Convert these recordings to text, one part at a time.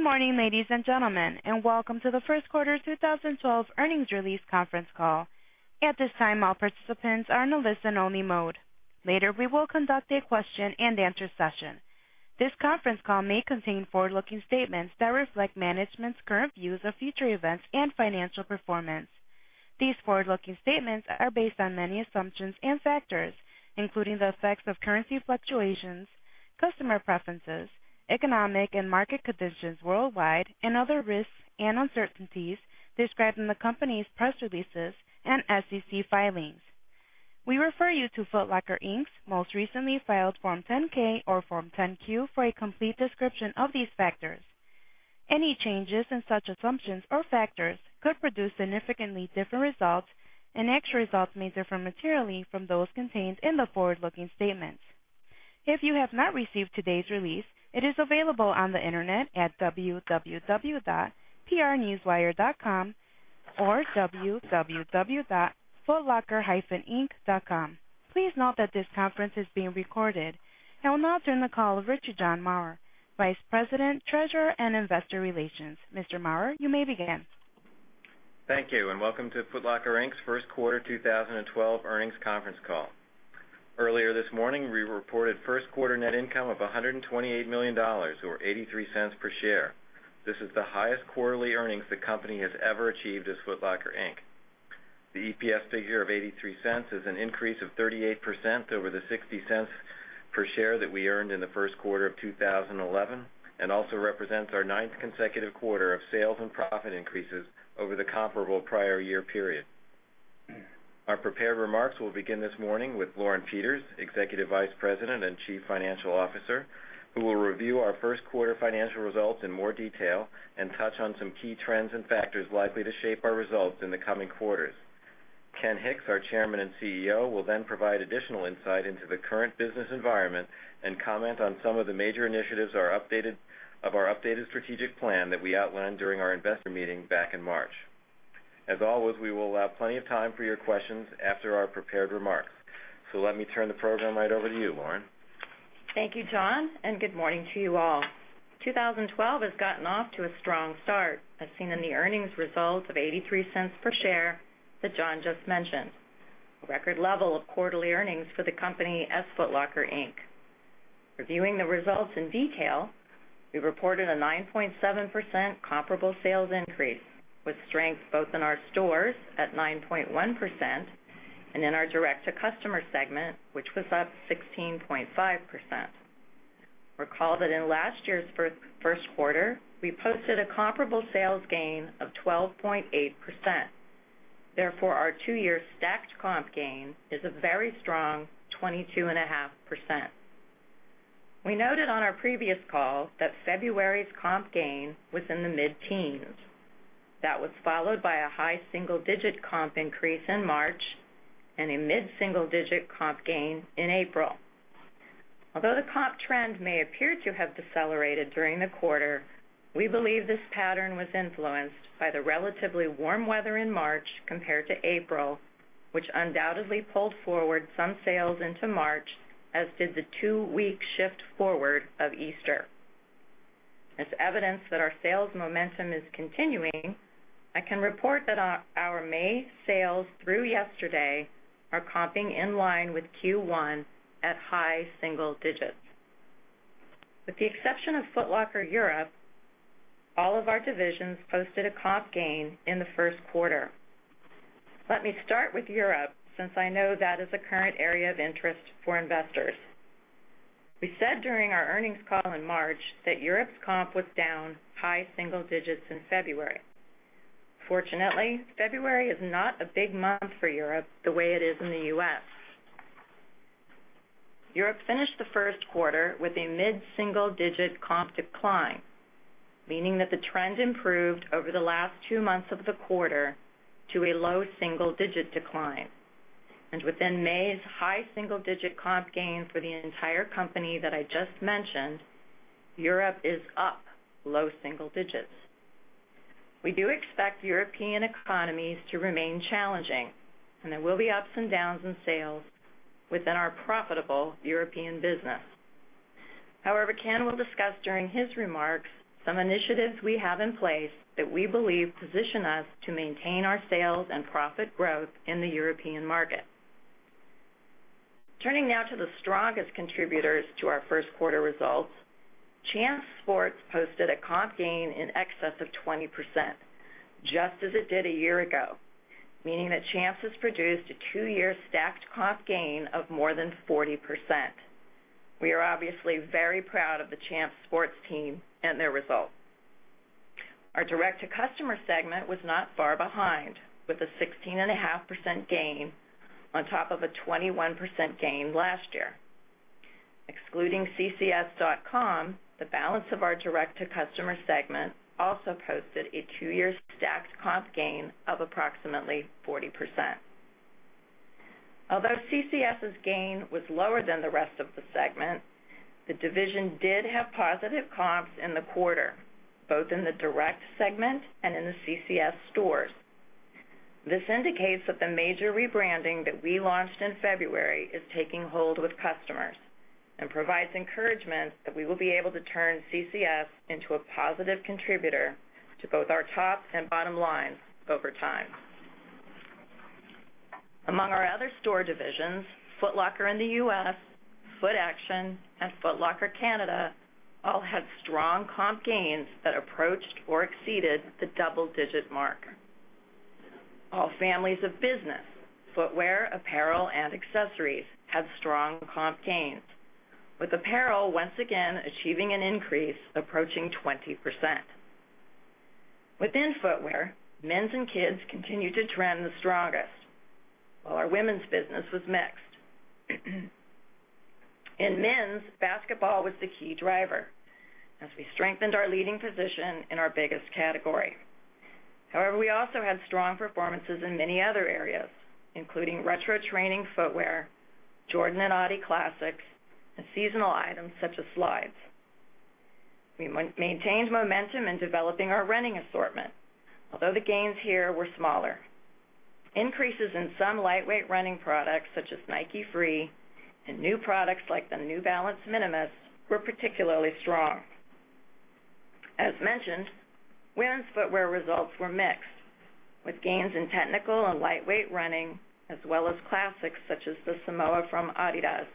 Good morning, ladies and gentlemen. Welcome to the first quarter 2012 earnings release conference call. At this time, all participants are in a listen-only mode. Later, we will conduct a question and answer session. This conference call may contain forward-looking statements that reflect management's current views of future events and financial performance. These forward-looking statements are based on many assumptions and factors, including the effects of currency fluctuations, customer preferences, economic and market conditions worldwide, and other risks and uncertainties described in the company's press releases and SEC filings. We refer you to Foot Locker, Inc.'s most recently filed Form 10-K or Form 10-Q for a complete description of these factors. Any changes in such assumptions or factors could produce significantly different results. Actual results may differ materially from those contained in the forward-looking statements. If you have not received today's release, it is available on the Internet at www.prnewswire.com or www.footlocker-inc.com. Please note that this conference is being recorded. I will now turn the call over to John Maurer, Vice President, Treasurer, and Investor Relations. Mr. Maurer, you may begin. Thank you. Welcome to Foot Locker, Inc.'s first quarter 2012 earnings conference call. Earlier this morning, we reported first quarter net income of $128 million or $0.83 per share. This is the highest quarterly earnings the company has ever achieved as Foot Locker, Inc. The EPS figure of $0.83 is an increase of 38% over the $0.60 per share that we earned in the first quarter of 2011 and also represents our ninth consecutive quarter of sales and profit increases over the comparable prior year period. Our prepared remarks will begin this morning with Lauren Peters, Executive Vice President and Chief Financial Officer, who will review our first quarter financial results in more detail and touch on some key trends and factors likely to shape our results in the coming quarters. Ken Hicks, our Chairman and CEO, will then provide additional insight into the current business environment and comment on some of the major initiatives of our updated strategic plan that we outlined during our investor meeting back in March. As always, we will allow plenty of time for your questions after our prepared remarks. Let me turn the program right over to you, Lauren. Thank you, John, good morning to you all. 2012 has gotten off to a strong start, as seen in the earnings results of $0.83 per share that John just mentioned, a record level of quarterly earnings for the company as Foot Locker, Inc. Reviewing the results in detail, we reported a 9.7% comparable sales increase, with strength both in our stores at 9.1% and in our direct-to-customer segment, which was up 16.5%. Recall that in last year's first quarter, we posted a comparable sales gain of 12.8%. Therefore, our two-year stacked comp gain is a very strong 22.5%. We noted on our previous call that February's comp gain was in the mid-teens. That was followed by a high single-digit comp increase in March and a mid-single-digit comp gain in April. Although the comp trend may appear to have decelerated during the quarter, we believe this pattern was influenced by the relatively warm weather in March compared to April, which undoubtedly pulled forward some sales into March, as did the two-week shift forward of Easter. As evidence that our sales momentum is continuing, I can report that our May sales through yesterday are comping in line with Q1 at high single digits. With the exception of Foot Locker Europe, all of our divisions posted a comp gain in the first quarter. Let me start with Europe, since I know that is a current area of interest for investors. We said during our earnings call in March that Europe's comp was down high single digits in February. Fortunately, February is not a big month for Europe the way it is in the U.S. Europe finished the first quarter with a mid-single-digit comp decline, meaning that the trend improved over the last two months of the quarter to a low double-digit decline. Within May's high single-digit comp gain for the entire company that I just mentioned, Europe is up low single digits. We do expect European economies to remain challenging, and there will be ups and downs in sales within our profitable European business. However, Ken will discuss during his remarks some initiatives we have in place that we believe position us to maintain our sales and profit growth in the European market. Turning now to the strongest contributors to our first quarter results, Champs Sports posted a comp gain in excess of 20%, just as it did a year ago, meaning that Champs has produced a two-year stacked comp gain of more than 40%. We are obviously very proud of the Champs Sports team and their results. Our direct-to-customer segment was not far behind, with a 16.5% gain on top of a 21% gain last year. Excluding ccs.com, the balance of our direct-to-customer segment also posted a two-year stacked comp gain of approximately 40%. Although CCS's gain was lower than the rest of the segment, the division did have positive comps in the quarter, both in the direct segment and in the CCS stores. This indicates that the major rebranding that we launched in February is taking hold with customers and provides encouragement that we will be able to turn CCS into a positive contributor to both our top and bottom lines over time. Among our other store divisions, Foot Locker in the U.S., Footaction, and Foot Locker Canada all had strong comp gains that approached or exceeded the double-digit mark. All families of business, footwear, apparel, and accessories, had strong comp gains, with apparel once again achieving an increase approaching 20%. Within footwear, men's and kids' continued to trend the strongest, while our women's business was mixed. In men's, basketball was the key driver as we strengthened our leading position in our biggest category. However, we also had strong performances in many other areas, including retro training footwear, Jordan and Adidas classics, and seasonal items such as slides. We maintained momentum in developing our running assortment, although the gains here were smaller. Increases in some lightweight running products, such as Nike Free, and new products like the New Balance Minimus, were particularly strong. As mentioned, women's footwear results were mixed. With gains in technical and lightweight running, as well as classics such as the Samoa from Adidas,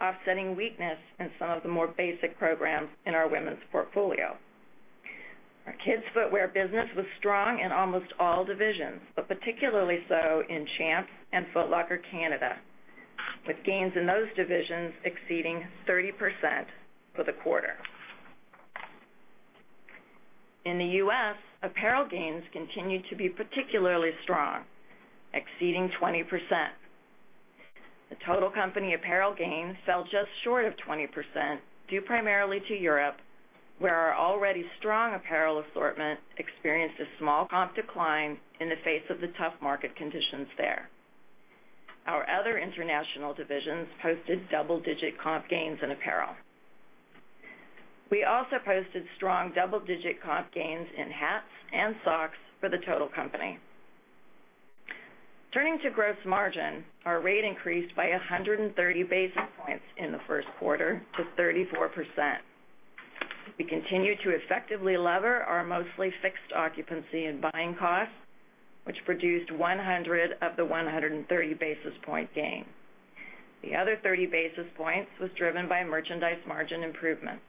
offsetting weakness in some of the more basic programs in our women's portfolio. Our kids' footwear business was strong in almost all divisions, but particularly so in Champs and Foot Locker Canada, with gains in those divisions exceeding 30% for the quarter. In the U.S., apparel gains continued to be particularly strong, exceeding 20%. The total company apparel gains fell just short of 20%, due primarily to Europe, where our already strong apparel assortment experienced a small comp decline in the face of the tough market conditions there. Our other international divisions posted double-digit comp gains in apparel. We also posted strong double-digit comp gains in hats and socks for the total company. Turning to gross margin, our rate increased by 130 basis points in the first quarter to 34%. We continue to effectively lever our mostly fixed occupancy and buying costs, which produced 100 of the 130 basis point gain. The other 30 basis points was driven by merchandise margin improvements.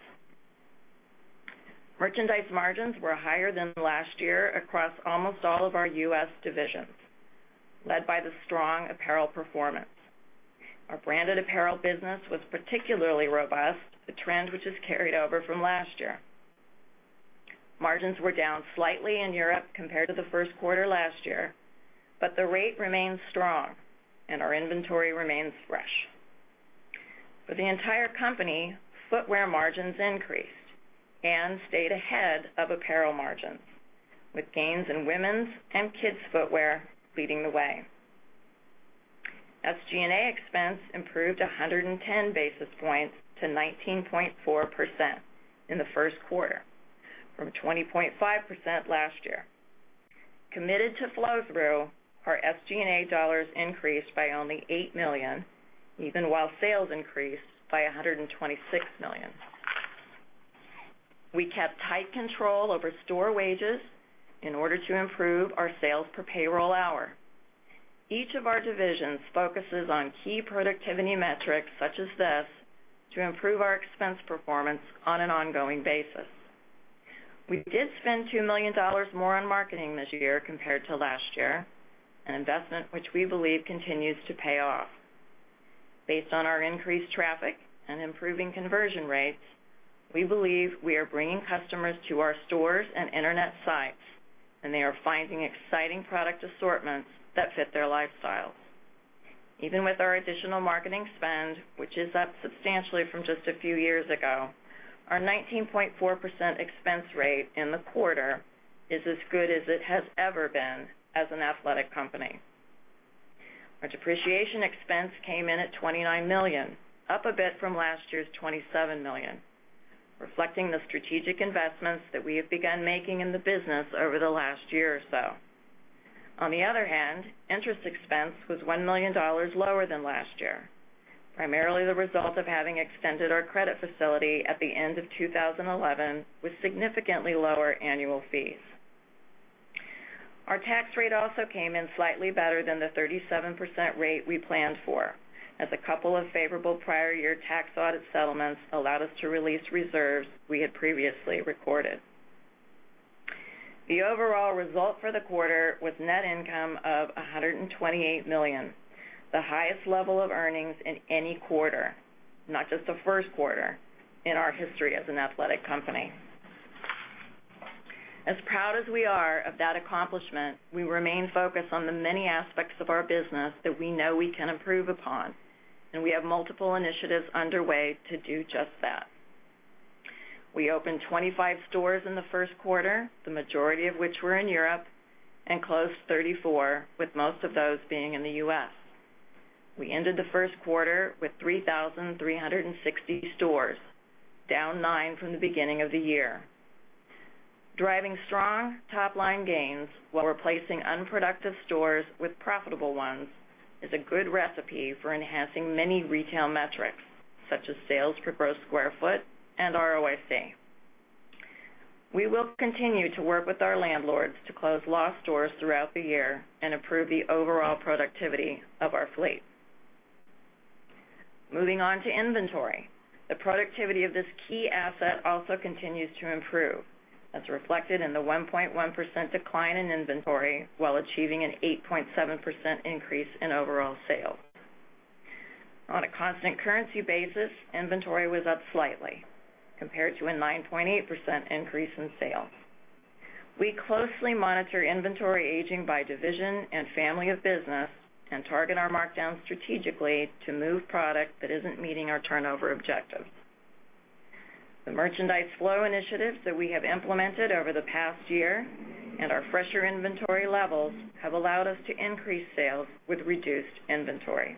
Merchandise margins were higher than last year across almost all of our U.S. divisions, led by the strong apparel performance. Our branded apparel business was particularly robust, a trend which has carried over from last year. Margins were down slightly in Europe compared to the first quarter last year, but the rate remains strong and our inventory remains fresh. For the entire company, footwear margins increased and stayed ahead of apparel margins, with gains in women's and kids' footwear leading the way. SG&A expense improved 110 basis points to 19.4% in the first quarter from 20.5% last year. Committed to flow-through, our SG&A dollars increased by only $8 million, even while sales increased by $126 million. We kept tight control over store wages in order to improve our sales per payroll hour. Each of our divisions focuses on key productivity metrics such as this to improve our expense performance on an ongoing basis. We did spend $2 million more on marketing this year compared to last year, an investment which we believe continues to pay off. Based on our increased traffic and improving conversion rates, we believe we are bringing customers to our stores and internet sites, and they are finding exciting product assortments that fit their lifestyles. Even with our additional marketing spend, which is up substantially from just a few years ago, our 19.4% expense rate in the quarter is as good as it has ever been as an athletic company. Our depreciation expense came in at $29 million, up a bit from last year's $27 million, reflecting the strategic investments that we have begun making in the business over the last year or so. Interest expense was $1 million lower than last year, primarily the result of having extended our credit facility at the end of 2011 with significantly lower annual fees. Our tax rate also came in slightly better than the 37% rate we planned for, as a couple of favorable prior year tax audit settlements allowed us to release reserves we had previously recorded. The overall result for the quarter was net income of $128 million, the highest level of earnings in any quarter. Not just the first quarter in our history as an athletic company. Proud as we are of that accomplishment, we remain focused on the many aspects of our business that we know we can improve upon, and we have multiple initiatives underway to do just that. We opened 25 stores in the first quarter, the majority of which were in Europe, and closed 34, with most of those being in the U.S. We ended the first quarter with 3,360 stores, down nine from the beginning of the year. Driving strong top-line gains while replacing unproductive stores with profitable ones is a good recipe for enhancing many retail metrics, such as sales per gross square foot and ROIC. We will continue to work with our landlords to close lost stores throughout the year and improve the overall productivity of our fleet. Moving on to inventory. The productivity of this key asset also continues to improve, as reflected in the 1.1% decline in inventory while achieving an 8.7% increase in overall sales. On a constant currency basis, inventory was up slightly compared to a 9.8% increase in sales. We closely monitor inventory aging by division and family of business and target our markdowns strategically to move product that isn't meeting our turnover objectives. The merchandise flow initiatives that we have implemented over the past year and our fresher inventory levels have allowed us to increase sales with reduced inventory.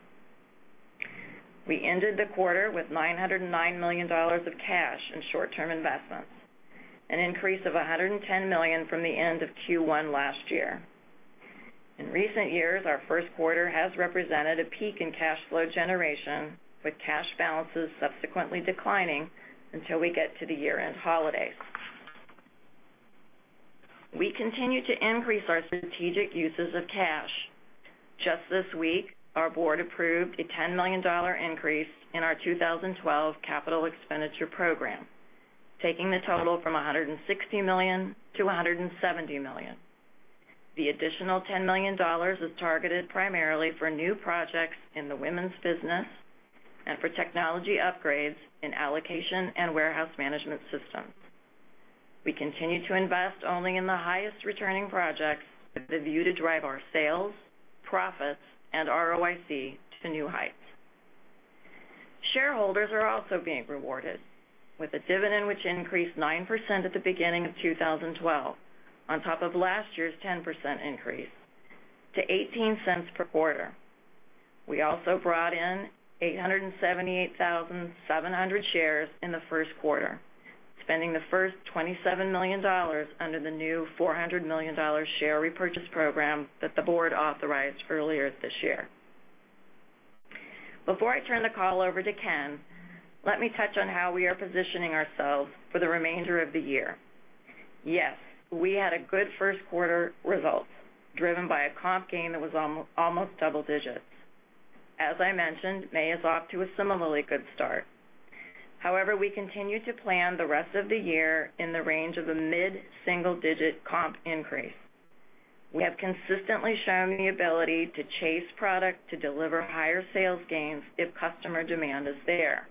We ended the quarter with $909 million of cash and short-term investments, an increase of $110 million from the end of Q1 last year. In recent years, our first quarter has represented a peak in cash flow generation, with cash balances subsequently declining until we get to the year-end holidays. We continue to increase our strategic uses of cash. Just this week, our board approved a $10 million increase in our 2012 capital expenditure program, taking the total from $160 million to $170 million. The additional $10 million is targeted primarily for new projects in the women's business and for technology upgrades in allocation and warehouse management systems. We continue to invest only in the highest-returning projects with a view to drive our sales, profits, and ROIC to new heights. Shareholders are also being rewarded with a dividend, which increased 9% at the beginning of 2012, on top of last year's 10% increase to $0.18 per quarter. We also brought in 878,700 shares in the first quarter, spending the first $27 million under the new $400 million share repurchase program that the board authorized earlier this year. Before I turn the call over to Ken, let me touch on how we are positioning ourselves for the remainder of the year. We had a good first quarter result, driven by a comp gain that was almost double digits. As I mentioned, May is off to a similarly good start. We continue to plan the rest of the year in the range of a mid-single-digit comp increase. We have consistently shown the ability to chase product to deliver higher sales gains if customer demand is there.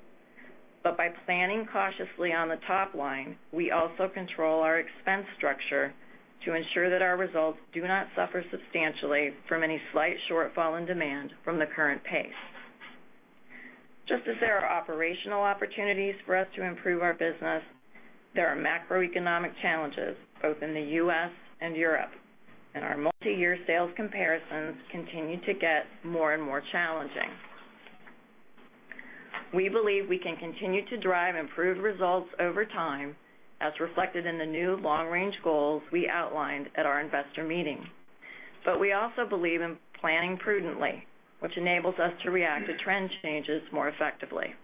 By planning cautiously on the top line, we also control our expense structure to ensure that our results do not suffer substantially from any slight shortfall in demand from the current pace. Just as there are operational opportunities for us to improve our business, there are macroeconomic challenges both in the U.S. and Europe, and our multi-year sales comparisons continue to get more and more challenging. We believe we can continue to drive improved results over time, as reflected in the new long-range goals we outlined at our investor meeting. We also believe in planning prudently, which enables us to react to trend changes more effectively.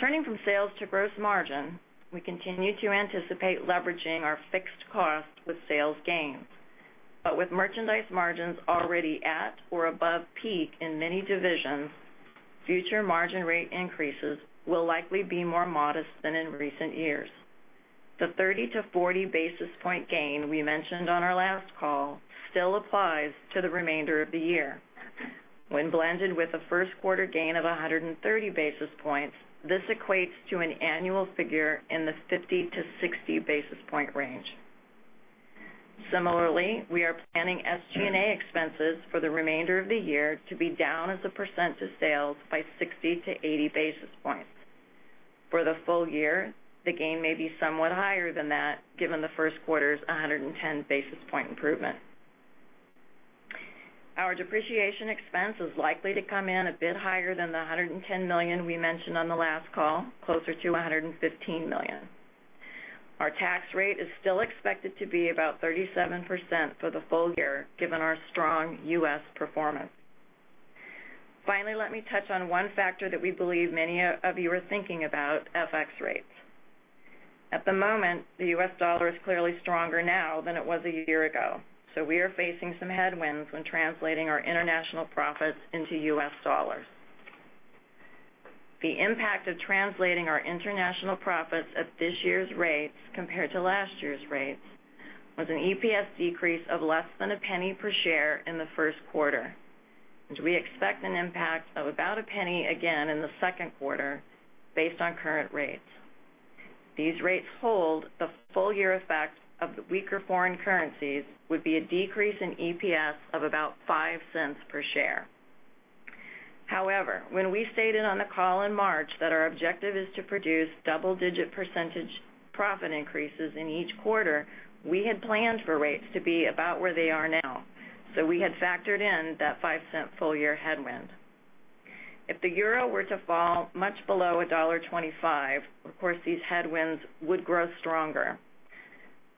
Turning from sales to gross margin, we continue to anticipate leveraging our fixed costs with sales gains. With merchandise margins already at or above peak in many divisions, future margin rate increases will likely be more modest than in recent years. The 30- to 40-basis-point gain we mentioned on our last call still applies to the remainder of the year. When blended with a first quarter gain of 130 basis points, this equates to an annual figure in the 50- to 60-basis-point range. Similarly, we are planning SG&A expenses for the remainder of the year to be down as a % of sales by 60-80 basis points. For the full year, the gain may be somewhat higher than that, given the first quarter's 110-basis-point improvement. Our depreciation expense is likely to come in a bit higher than the $110 million we mentioned on the last call, closer to $115 million. Our tax rate is still expected to be about 37% for the full year, given our strong U.S. performance. Finally, let me touch on one factor that we believe many of you are thinking about: FX rates. At the moment, the U.S. dollar is clearly stronger now than it was a year ago. We are facing some headwinds when translating our international profits into U.S. dollars. The impact of translating our international profits at this year's rates compared to last year's rates was an EPS decrease of less than $0.01 per share in the first quarter, and we expect an impact of about $0.01 again in the second quarter based on current rates. If these rates hold, the full-year effect of the weaker foreign currencies would be a decrease in EPS of about $0.05 per share. When we stated on the call in March that our objective is to produce double-digit % profit increases in each quarter, we had planned for rates to be about where they are now. We had factored in that $0.05 full-year headwind. If the euro were to fall much below $1.25, of course, these headwinds would grow stronger.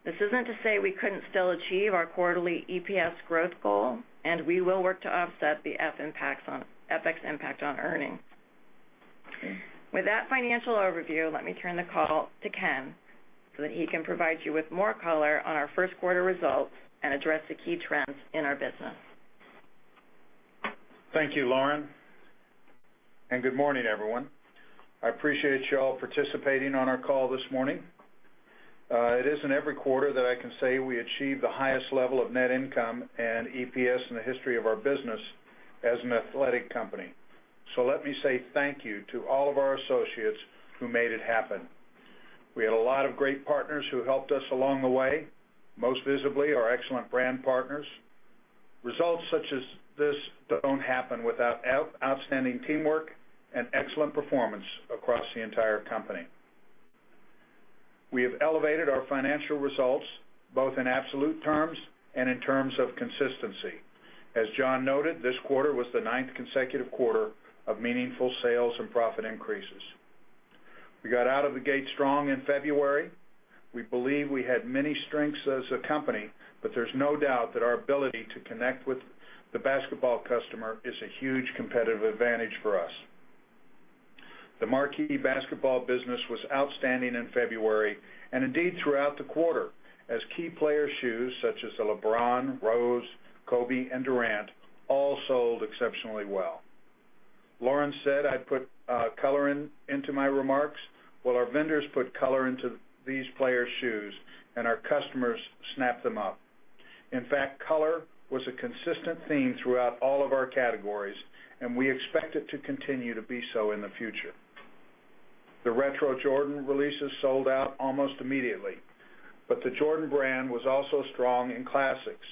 This isn't to say we couldn't still achieve our quarterly EPS growth goal, and we will work to offset the FX impact on earnings. With that financial overview, let me turn the call to Ken so that he can provide you with more color on our first quarter results and address the key trends in our business. Thank you, Lauren, and good morning, everyone. I appreciate you all participating on our call this morning. It isn't every quarter that I can say we achieve the highest level of net income and EPS in the history of our business as an athletic company. Let me say thank you to all of our associates who made it happen. We had a lot of great partners who helped us along the way, most visibly, our excellent brand partners. Results such as this don't happen without outstanding teamwork and excellent performance across the entire company. We have elevated our financial results both in absolute terms and in terms of consistency. As John noted, this quarter was the ninth consecutive quarter of meaningful sales and profit increases. We got out of the gate strong in February. We believe we had many strengths as a company. There's no doubt that our ability to connect with the basketball customer is a huge competitive advantage for us. The marquee basketball business was outstanding in February, indeed, throughout the quarter, as key player shoes such as the LeBron, Rose, Kobe, and Durant all sold exceptionally well. Lauren said I'd put color into my remarks. Well, our vendors put color into these players' shoes, and our customers snapped them up. In fact, color was a consistent theme throughout all of our categories. We expect it to continue to be so in the future. The Retro Jordan releases sold out almost immediately. The Jordan brand was also strong in classics.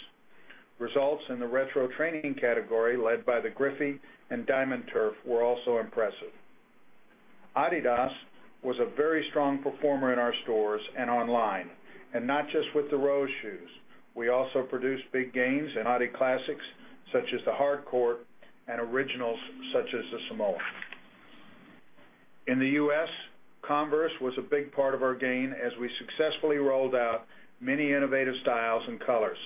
Results in the Retro training category, led by the Griffey and Diamond Turf, were also impressive. Adidas was a very strong performer in our stores and online, not just with the Rose shoes. We also produced big gains in Adi classics, such as the Hard Court, and originals such as the Samoa. In the U.S., Converse was a big part of our gain as we successfully rolled out many innovative styles and colors.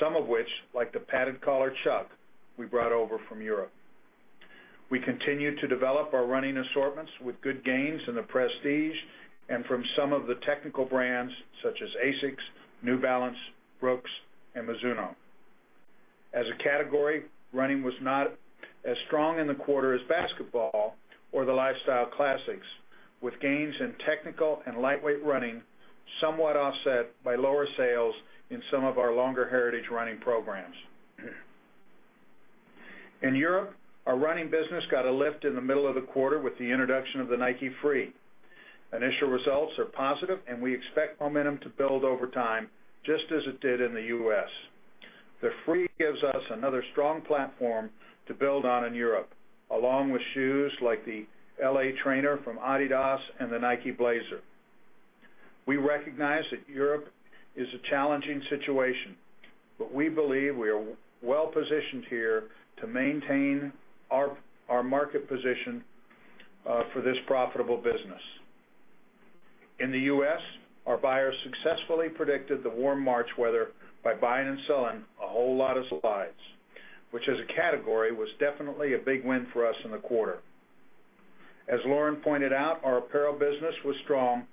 Some of which, like the padded collar Chuck, we brought over from Europe. We continued to develop our running assortments with good gains in the prestige and from some of the technical brands such as ASICS, New Balance, Brooks, and Mizuno. As a category, running was not as strong in the quarter as basketball or the lifestyle classics, with gains in technical and lightweight running somewhat offset by lower sales in some of our longer heritage running programs. In Europe, our running business got a lift in the middle of the quarter with the introduction of the Nike Free. Initial results are positive. We expect momentum to build over time, just as it did in the U.S. The Free gives us another strong platform to build on in Europe, along with shoes like the LA Trainer from Adidas and the Nike Blazer. We recognize that Europe is a challenging situation. We believe we are well-positioned here to maintain our market position for this profitable business. In the U.S., our buyers successfully predicted the warm March weather by buying and selling a whole lot of slides, which, as a category, was definitely a big win for us in the quarter. As Lauren pointed out, our apparel business was strong,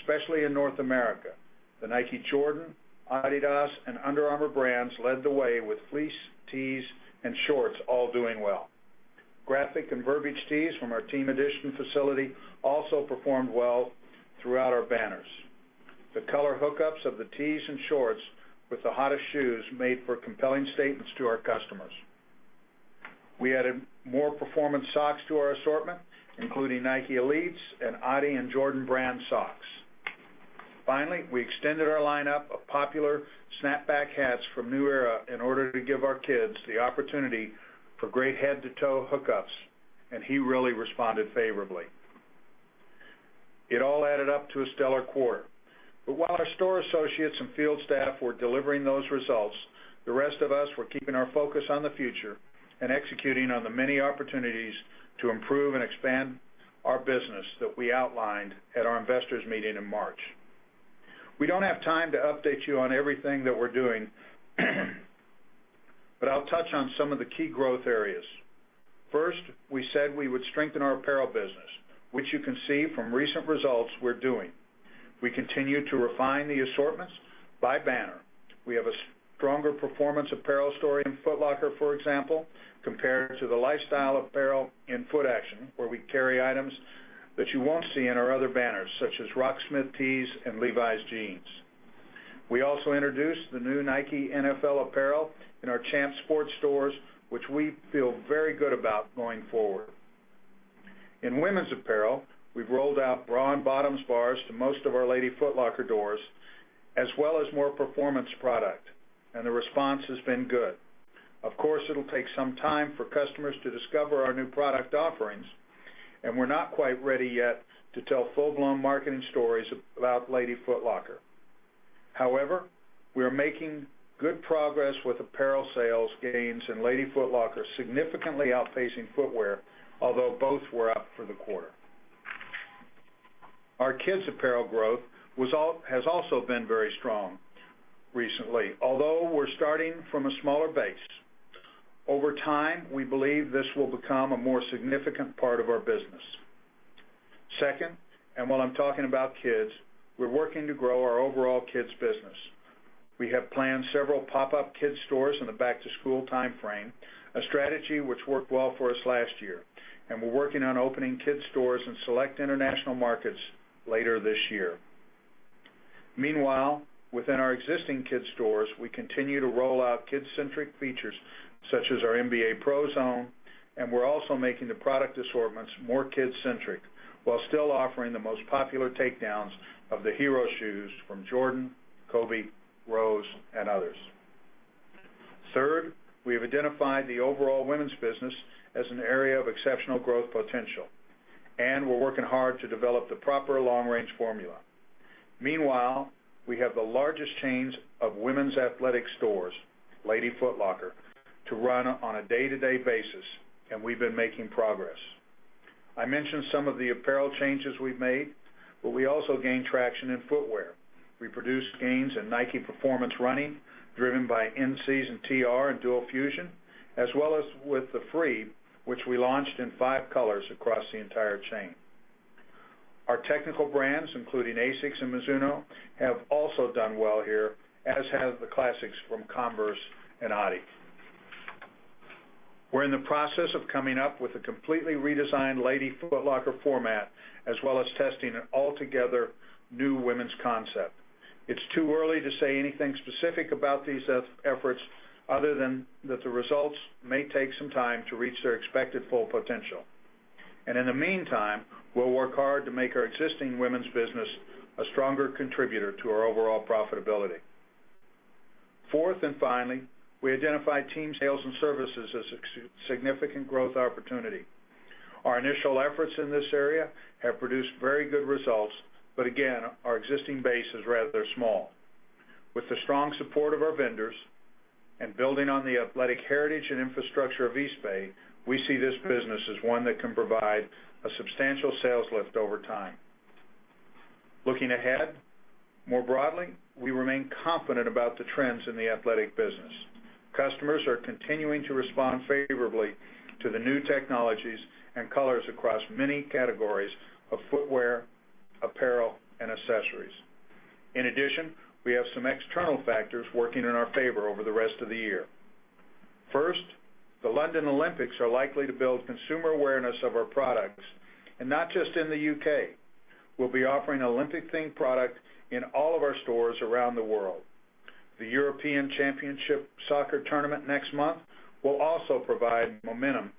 especially in North America. The Nike Jordan, Adidas, and Under Armour brands led the way, with fleece, tees, and shorts all doing well. Graphic and verbiage tees from our Team Edition facility also performed well throughout our banners. The color hookups of the tees and shorts with the hottest shoes made for compelling statements to our customers. We added more performance socks to our assortment, including Nike Elites and Adi and Jordan brand socks. Finally, we extended our lineup of popular snapback hats from New Era in order to give our kids the opportunity for great head-to-toe hookups, and he really responded favorably. It all added up to a stellar quarter. While our store associates and field staff were delivering those results, the rest of us were keeping our focus on the future and executing on the many opportunities to improve and expand our business that we outlined at our investors meeting in March. We don't have time to update you on everything that we're doing, but I'll touch on some of the key growth areas. First, we said we would strengthen our apparel business, which you can see from recent results we're doing. We continue to refine the assortments by banner. We have a stronger performance apparel story in Foot Locker, for example, compared to the lifestyle apparel in Footaction, where we carry items that you won't see in our other banners, such as Rocksmith tees and Levi's jeans. We also introduced the new Nike NFL apparel in our Champs Sports stores, which we feel very good about going forward. In women's apparel, we've rolled out bra and bottoms bars to most of our Lady Foot Locker doors, as well as more performance product, and the response has been good. Of course, it'll take some time for customers to discover our new product offerings, and we're not quite ready yet to tell full-blown marketing stories about Lady Foot Locker. However, we are making good progress with apparel sales gains and Lady Foot Locker significantly outpacing footwear, although both were up for the quarter. Our kids' apparel growth has also been very strong recently, although we're starting from a smaller base. Over time, we believe this will become a more significant part of our business. Second, while I'm talking about kids, we're working to grow our overall kids business. We have planned several pop-up kids stores in the back-to-school timeframe, a strategy which worked well for us last year, and we're working on opening kids stores in select international markets later this year. Meanwhile, within our existing kids stores, we continue to roll out kid-centric features such as our NBA Pro Zone, and we're also making the product assortments more kid-centric while still offering the most popular takedowns of the hero shoes from Jordan, Kobe, Rose, and others. Third, we have identified the overall women's business as an area of exceptional growth potential, and we're working hard to develop the proper long-range formula. Meanwhile, we have the largest chains of women's athletic stores, Lady Foot Locker, to run on a day-to-day basis, and we've been making progress. I mentioned some of the apparel changes we've made, but we also gained traction in footwear. We produced gains in Nike performance running, driven by in-season TR and Dual Fusion, as well as with the Free, which we launched in five colors across the entire chain. Our technical brands, including ASICS and Mizuno, have also done well here, as have the classics from Converse and Adi. We're in the process of coming up with a completely redesigned Lady Foot Locker format, as well as testing an altogether new women's concept. It's too early to say anything specific about these efforts other than that the results may take some time to reach their expected full potential. In the meantime, we'll work hard to make our existing women's business a stronger contributor to our overall profitability. Fourth and finally, we identified team sales and services as a significant growth opportunity. Our initial efforts in this area have produced very good results, but again, our existing base is rather small. With the strong support of our vendors and building on the athletic heritage and infrastructure of Eastbay, we see this business as one that can provide a substantial sales lift over time. Looking ahead, more broadly, we remain confident about the trends in the athletic business. Customers are continuing to respond favorably to the new technologies and colors across many categories of footwear, apparel, and accessories. In addition, we have some external factors working in our favor over the rest of the year. First, the London Olympics are likely to build consumer awareness of our products, and not just in the U.K. We'll be offering Olympic-themed product in all of our stores around the world. The European Championship soccer tournament next month will also provide momentum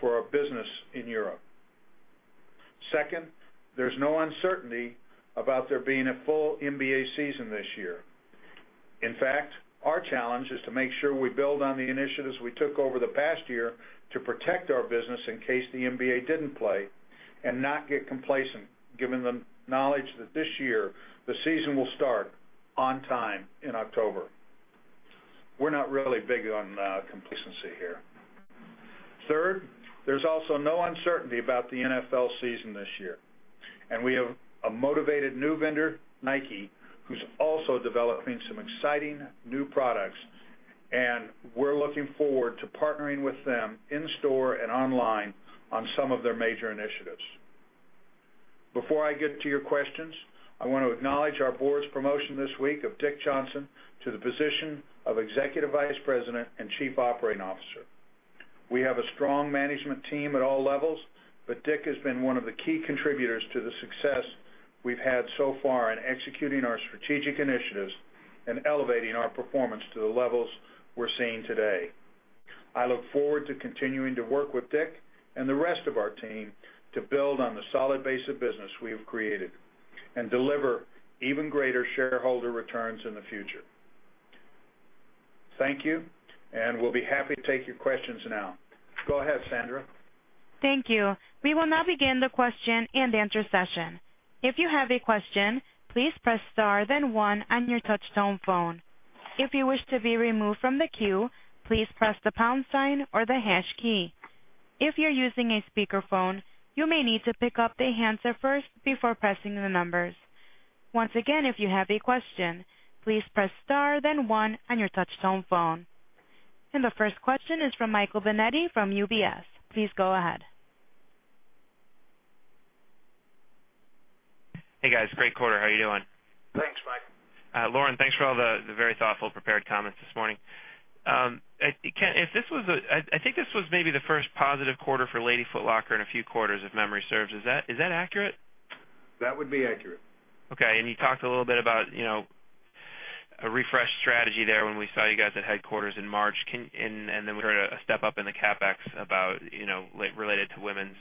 for our business in Europe. Second, there's no uncertainty about there being a full NBA season this year. In fact, our challenge is to make sure we build on the initiatives we took over the past year to protect our business in case the NBA didn't play and not get complacent, given the knowledge that this year the season will start on time in October. We're not really big on complacency here. Third, there's also no uncertainty about the NFL season this year, and we have a motivated new vendor, Nike, who's also developing some exciting new products, and we're looking forward to partnering with them in store and online on some of their major initiatives. Before I get to your questions, I want to acknowledge our board's promotion this week of Dick Johnson to the position of Executive Vice President and Chief Operating Officer. We have a strong management team at all levels, Dick has been one of the key contributors to the success we've had so far in executing our strategic initiatives and elevating our performance to the levels we're seeing today. I look forward to continuing to work with Dick and the rest of our team to build on the solid base of business we have created and deliver even greater shareholder returns in the future. Thank you, we'll be happy to take your questions now. Go ahead, Sandra. Thank you. We will now begin the question and answer session. If you have a question, please press star then one on your touch-tone phone. If you wish to be removed from the queue, please press the pound sign or the hash key. If you're using a speakerphone, you may need to pick up the handset first before pressing the numbers. Once again, if you have a question, please press star then one on your touch-tone phone. The first question is from Michael Binetti from UBS. Please go ahead. Hey, guys. Great quarter. How are you doing? Thanks, Mike. Lauren, thanks for all the very thoughtful prepared comments this morning. I think this was maybe the first positive quarter for Lady Foot Locker in a few quarters, if memory serves. Is that accurate? That would be accurate. Okay. You talked a little bit about a refreshed strategy there when we saw you guys at headquarters in March. We heard a step-up in the CapEx related to women's.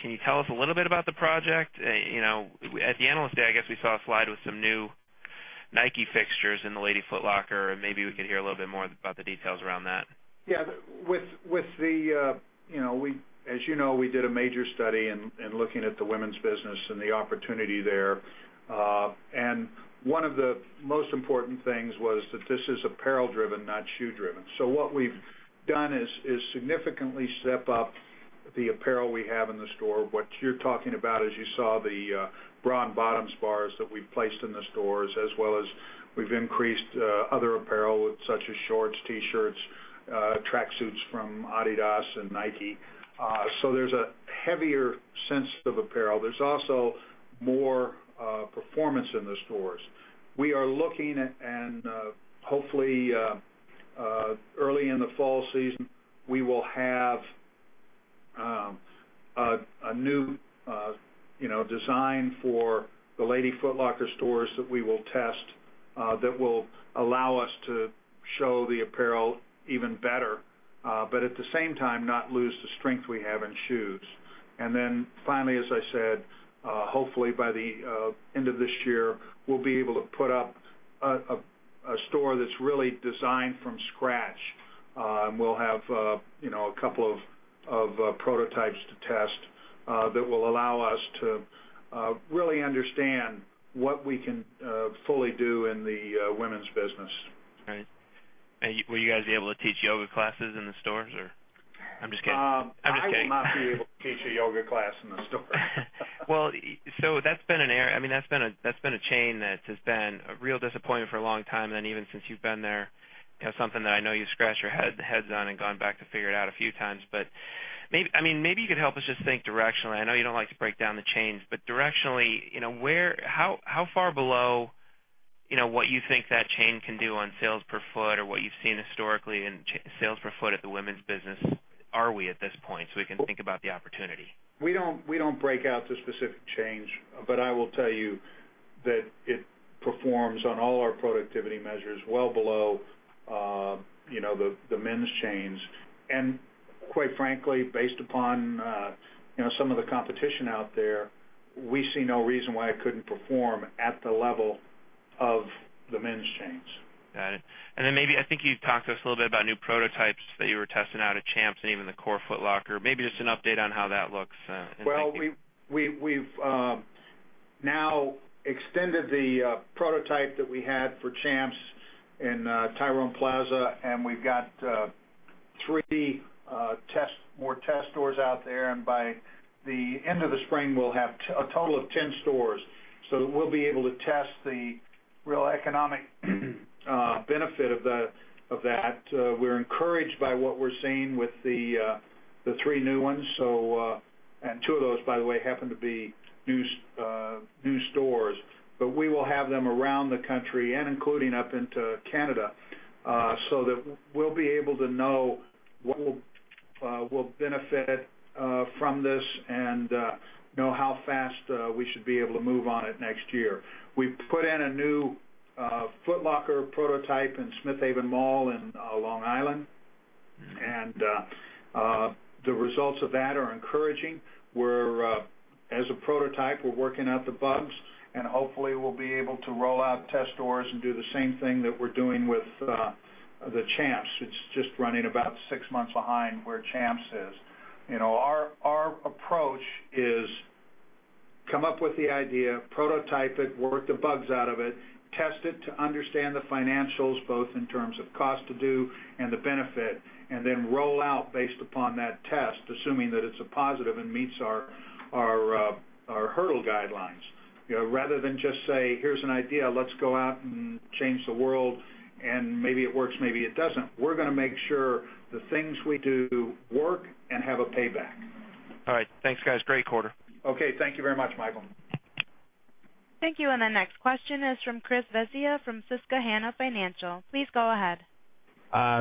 Can you tell us a little bit about the project? At the Analyst Day, I guess we saw a slide with some new Nike fixtures in the Lady Foot Locker, and maybe we could hear a little bit more about the details around that. Yeah. As you know, we did a major study in looking at the women's business and the opportunity there. One of the most important things was that this is apparel-driven, not shoe-driven. What we've done is significantly step up the apparel we have in the store. What you're talking about is you saw the bra and bottoms bars that we've placed in the stores, as well as we've increased other apparel, such as shorts, T-shirts, track suits from Adidas and Nike. There's a heavier sense of apparel. There's also more performance in the stores. We are looking and, hopefully, early in the fall season, we will have a new design for the Lady Foot Locker stores that we will test that will allow us to show the apparel even better but at the same time, not lose the strength we have in shoes. Finally, as I said, hopefully by the end of this year, we'll be able to put up a store that's really designed from scratch. We'll have a couple of prototypes to test that will allow us to really understand what we can fully do in the women's business. Right. Will you guys be able to teach yoga classes in the stores, or I'm just kidding. I will not be able to teach a yoga class in the store. That's been a chain that has been a real disappointment for a long time, then even since you've been there, something that I know you scratched your heads on and gone back to figure it out a few times but maybe you could help us just think directionally. I know you don't like to break down the chains, but directionally, how far below what you think that chain can do on sales per foot or what you've seen historically in sales per foot at the women's business are we at this point, so we can think about the opportunity? We don't break out the specific chains, I will tell you that it performs on all our productivity measures well below the men's chains. Quite frankly, based upon some of the competition out there, we see no reason why it couldn't perform at the level of the men's chains. Got it. Then maybe, I think you've talked to us a little bit about new prototypes that you were testing out at Champs and even the core Foot Locker. Maybe just an update on how that looks in thinking. We've now extended the prototype that we had for Champs in Tyrone Square, we've got three more test stores out there, by the end of the spring, we'll have a total of 10 stores. We'll be able to test the real economic benefit of that. We're encouraged by what we're seeing with the three new ones. Two of those, by the way, happen to be new stores. We will have them around the country and including up into Canada, that we'll be able to know what will benefit from this and know how fast we should be able to move on it next year. We've put in a new Foot Locker prototype in Smith Haven Mall in Long Island, and the results of that are encouraging. As a prototype, we're working out the bugs, hopefully, we'll be able to roll out test stores and do the same thing that we're doing with the Champs. It's just running about six months behind where Champs is. Our approach is come up with the idea, prototype it, work the bugs out of it, test it to understand the financials, both in terms of cost to do and the benefit, then roll out based upon that test, assuming that it's a positive and meets our hurdle guidelines. Rather than just say, "Here's an idea, let's go out and change the world, and maybe it works, maybe it doesn't." We're going to make sure the things we do work and have a payback. All right. Thanks, guys. Great quarter. Okay, thank you very much, Michael. Thank you. The next question is from Chris Svezia from Susquehanna Financial. Please go ahead.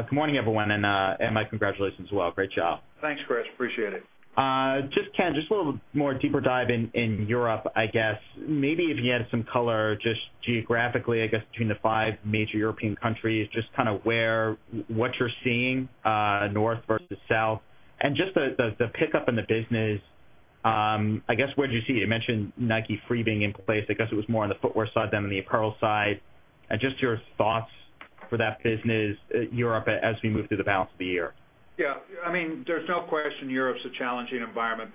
Good morning, everyone, and my congratulations as well. Great job. Thanks, Chris. Appreciate it. Ken, just a little more deeper dive in Europe, I guess. Maybe if you add some color, just geographically, I guess between the five major European countries, just where, what you're seeing, north versus south. Just the pickup in the business, I guess, where'd you see it? You mentioned Nike Free being in place. I guess it was more on the footwear side than on the apparel side. Just your thoughts for that business at Europe as we move through the balance of the year. Yeah. There's no question Europe's a challenging environment.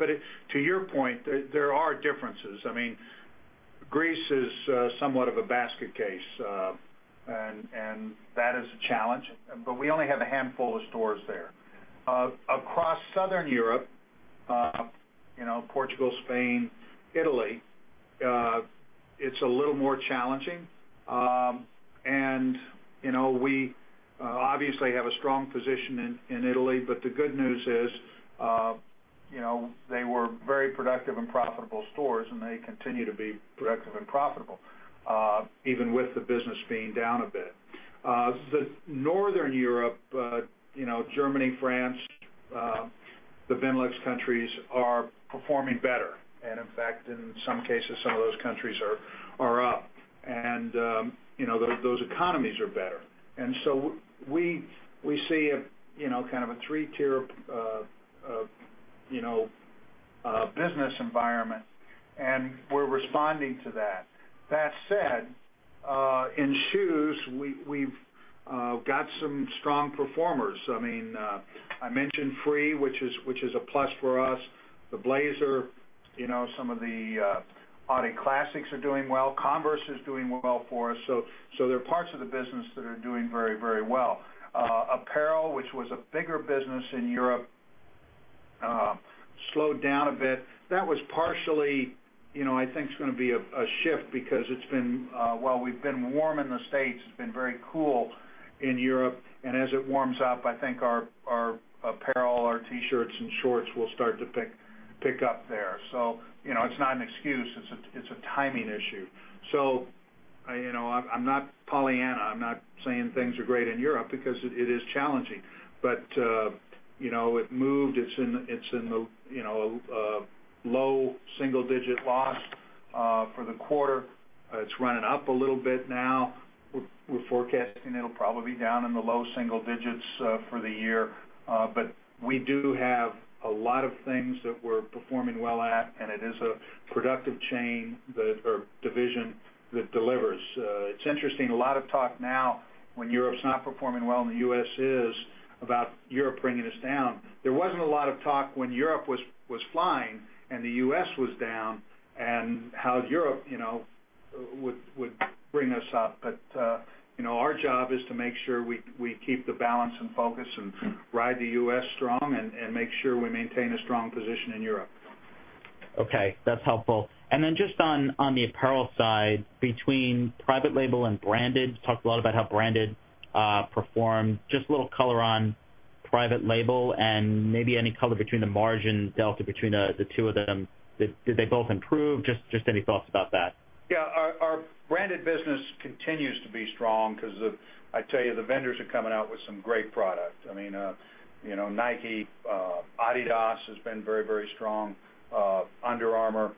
To your point, there are differences. Greece is somewhat of a basket case. That is a challenge, but we only have a handful of stores there. Across Southern Europe, Portugal, Spain, Italy, it's a little more challenging. We obviously have a strong position in Italy, but the good news is they were very productive and profitable stores, and they continue to be productive and profitable, even with the business being down a bit. The Northern Europe, Germany, France, the Benelux countries are performing better. In fact, in some cases, some of those countries are up. Those economies are better. We see a kind of a 3-tier business environment, and we're responding to that. That said, in shoes, we've got some strong performers. I mentioned Free, which is a plus for us. The Blazer, some of the classic classics are doing well. Converse is doing well for us. There are parts of the business that are doing very well. Apparel, which was a bigger business in Europe slowed down a bit. That was partially, I think is going to be a shift because while we've been warm in the U.S., it's been very cool in Europe. As it warms up, I think our apparel, our T-shirts and shorts will start to pick up there. It's not an excuse. It's a timing issue. I'm not Pollyanna. I'm not saying things are great in Europe because it is challenging. It moved. It's in the low single-digit loss for the quarter. It's running up a little bit now. We're forecasting it'll probably be down in the low single digits for the year. We do have a lot of things that we're performing well at, and it is a productive chain or division that delivers. It's interesting, a lot of talk now when Europe's not performing well and the U.S. is, about Europe bringing us down. There wasn't a lot of talk when Europe was flying and the U.S. was down and how Europe would bring us up. Our job is to make sure we keep the balance and focus and ride the U.S. strong and make sure we maintain a strong position in Europe. Okay. That's helpful. Just on the apparel side, between private label and branded, talked a lot about how branded performed. Just a little color on private label and maybe any color between the margin delta between the two of them. Did they both improve? Just any thoughts about that. Yeah. Our branded business continues to be strong because, I tell you, the vendors are coming out with some great product. Nike, Adidas has been very strong. Under Armour.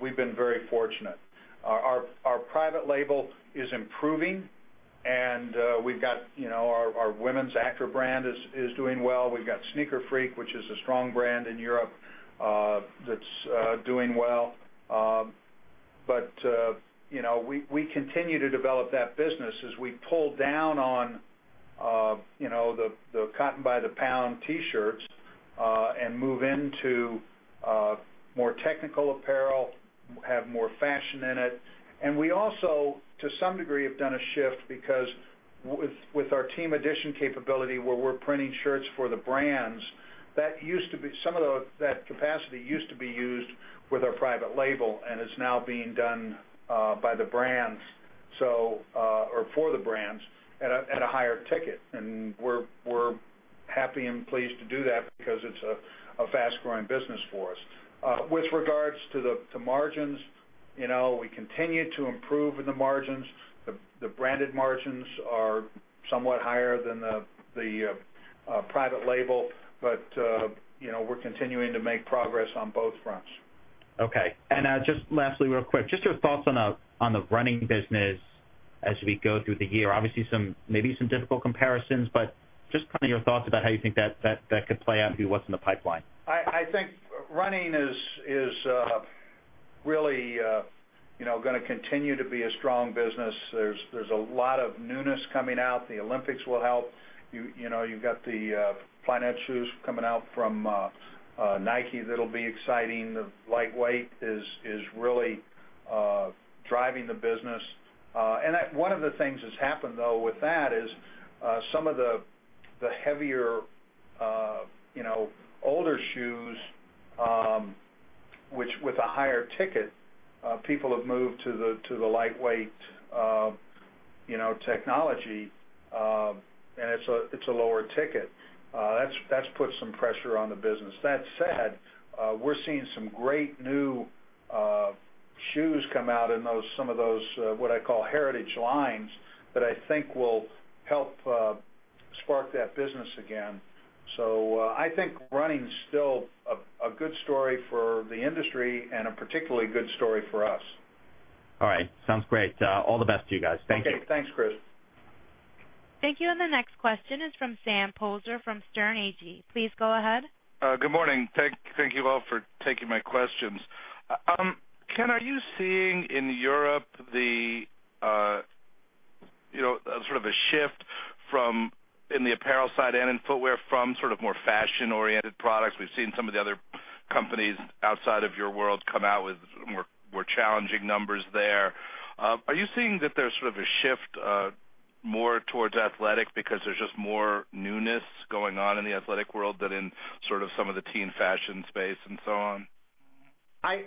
We've been very fortunate. Our private label is improving, and our women's ACTV brand is doing well. We've got Sneaker Freaker, which is a strong brand in Europe that's doing well. We continue to develop that business as we pull down on the cotton by the pound T-shirts and move into more technical apparel, have more fashion in it. We also, to some degree, have done a shift because with our Team Edition capability, where we're printing shirts for the brands, some of that capacity used to be used with our private label and is now being done by the brands or for the brands at a higher ticket. We're happy and pleased to do that because it's a fast-growing business for us. With regards to the margins, we continue to improve in the margins. The branded margins are somewhat higher than the private label, we're continuing to make progress on both fronts. Okay. Just lastly, real quick, just your thoughts on the running business as we go through the year. Obviously, maybe some difficult comparisons, just kind of your thoughts about how you think that could play out and what's in the pipeline. I think running is really going to continue to be a strong business. There's a lot of newness coming out. The Olympics will help. You've got the Flyknit shoes coming out from Nike that'll be exciting. The lightweight is really driving the business. One of the things that's happened, though, with that is some of the heavier, older shoes with a higher ticket, people have moved to the lightweight technology, and it's a lower ticket. That's put some pressure on the business. That said, we're seeing some great new shoes come out in some of those, what I call heritage lines, that I think will help spark that business again. I think running's still a good story for the industry and a particularly good story for us. All right. Sounds great. All the best to you guys. Thank you. Okay. Thanks, Chris. Thank you. The next question is from Sam Poser from Sterne Agee. Please go ahead. Good morning. Thank you all for taking my questions. Ken, are you seeing in Europe sort of a shift in the apparel side and in footwear from sort of more fashion-oriented products? We've seen some of the other companies outside of your world come out with more challenging numbers there. Are you seeing that there's sort of a shift more towards athletic because there's just more newness going on in the athletic world than in sort of some of the teen fashion space and so on? I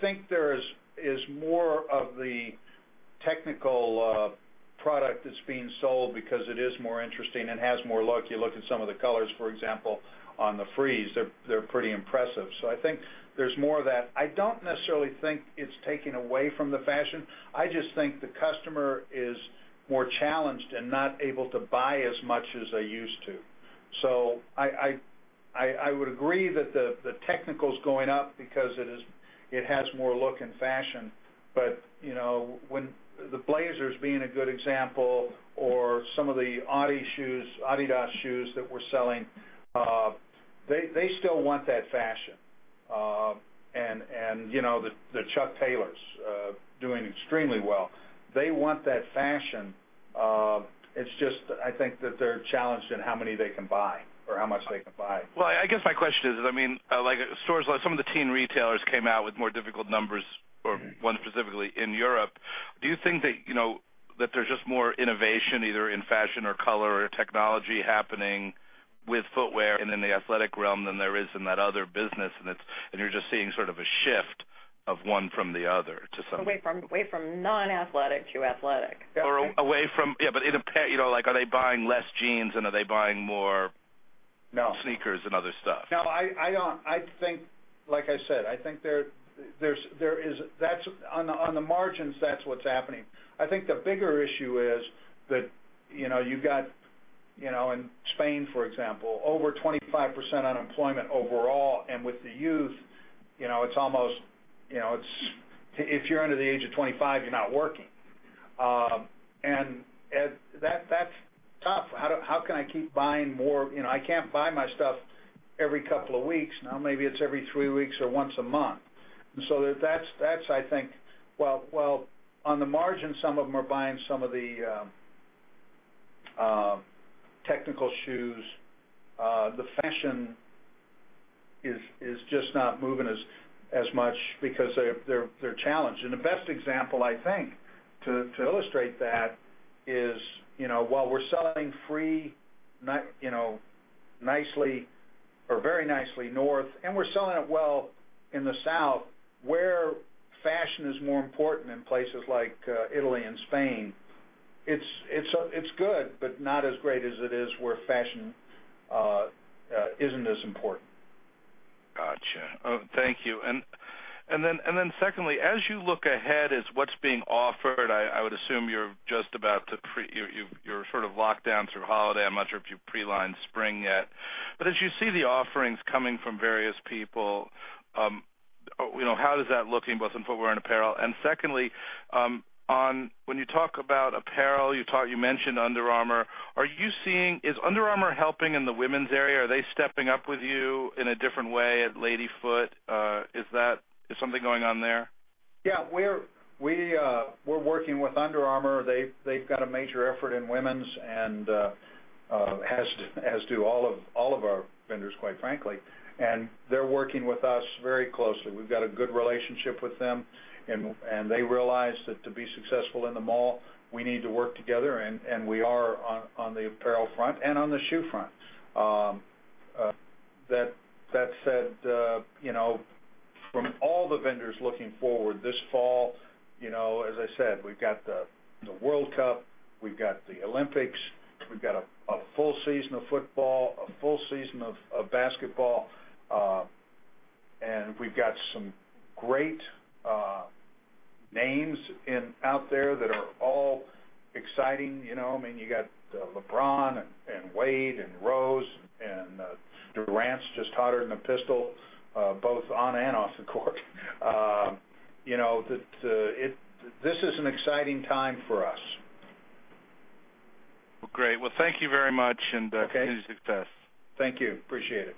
think there is more of the technical product that's being sold because it is more interesting and has more look. You look at some of the colors, for example, on the Frees, they're pretty impressive. I think there's more of that. I don't necessarily think it's taking away from the fashion. I just think the customer is more challenged and not able to buy as much as they used to. I would agree that the technical's going up because it has more look and fashion. The Blazers being a good example or some of the Adidas shoes that we're selling, they still want that fashion. The Chuck Taylors are doing extremely well. They want that fashion. It's just, I think that they're challenged in how many they can buy or how much they can buy. Well, I guess my question is, some of the teen retailers came out with more difficult numbers or one specifically in Europe. Do you think that there's just more innovation either in fashion or color or technology happening with footwear and in the athletic realm than there is in that other business, and you're just seeing sort of a shift of one from the other to some- Away from non-athletic to athletic. Away from Yeah, but like are they buying less jeans and are they buying more- No sneakers and other stuff? No, like I said, on the margins, that's what's happening. I think the bigger issue is that you've got, in Spain, for example, over 25% unemployment overall, and with the youth, if you're under the age of 25, you're not working. That's tough. How can I keep buying more? I can't buy my stuff every couple of weeks now. Maybe it's every three weeks or once a month. So that's, I think, while on the margin, some of them are buying some of the technical shoes. The fashion is just not moving as much because they're challenged. The best example, I think, to illustrate that is while we're selling Nike Free, nicely or very nicely north, and we're selling it well in the south, where fashion is more important in places like Italy and Spain, it's good, but not as great as it is where fashion isn't as important. Got you. Thank you. Secondly, as you look ahead as what's being offered, I would assume you're sort of locked down through holiday. I'm not sure if you've pre-lined spring yet, but as you see the offerings coming from various people, how does that look in both in footwear and apparel? Secondly, when you talk about apparel, you mentioned Under Armour. Is Under Armour helping in the women's area? Are they stepping up with you in a different way at Lady Foot? Is something going on there? Yeah, we're working with Under Armour. They've got a major effort in women's as to all of our vendors, quite frankly. They're working with us very closely. We've got a good relationship with them, and they realize that to be successful in the mall, we need to work together and we are on the apparel front and on the shoe front. That said, from all the vendors looking forward this fall, as I said, we've got the World Cup, we've got the Olympics, we've got a full season of football, a full season of basketball, we've got some great names out there that are all exciting. I mean, you got LeBron and Wade and Rose and Durant's just hotter than a pistol, both on and off the court. This is an exciting time for us. Well, great. Well, thank you very much. Continued success. Thank you. Appreciate it.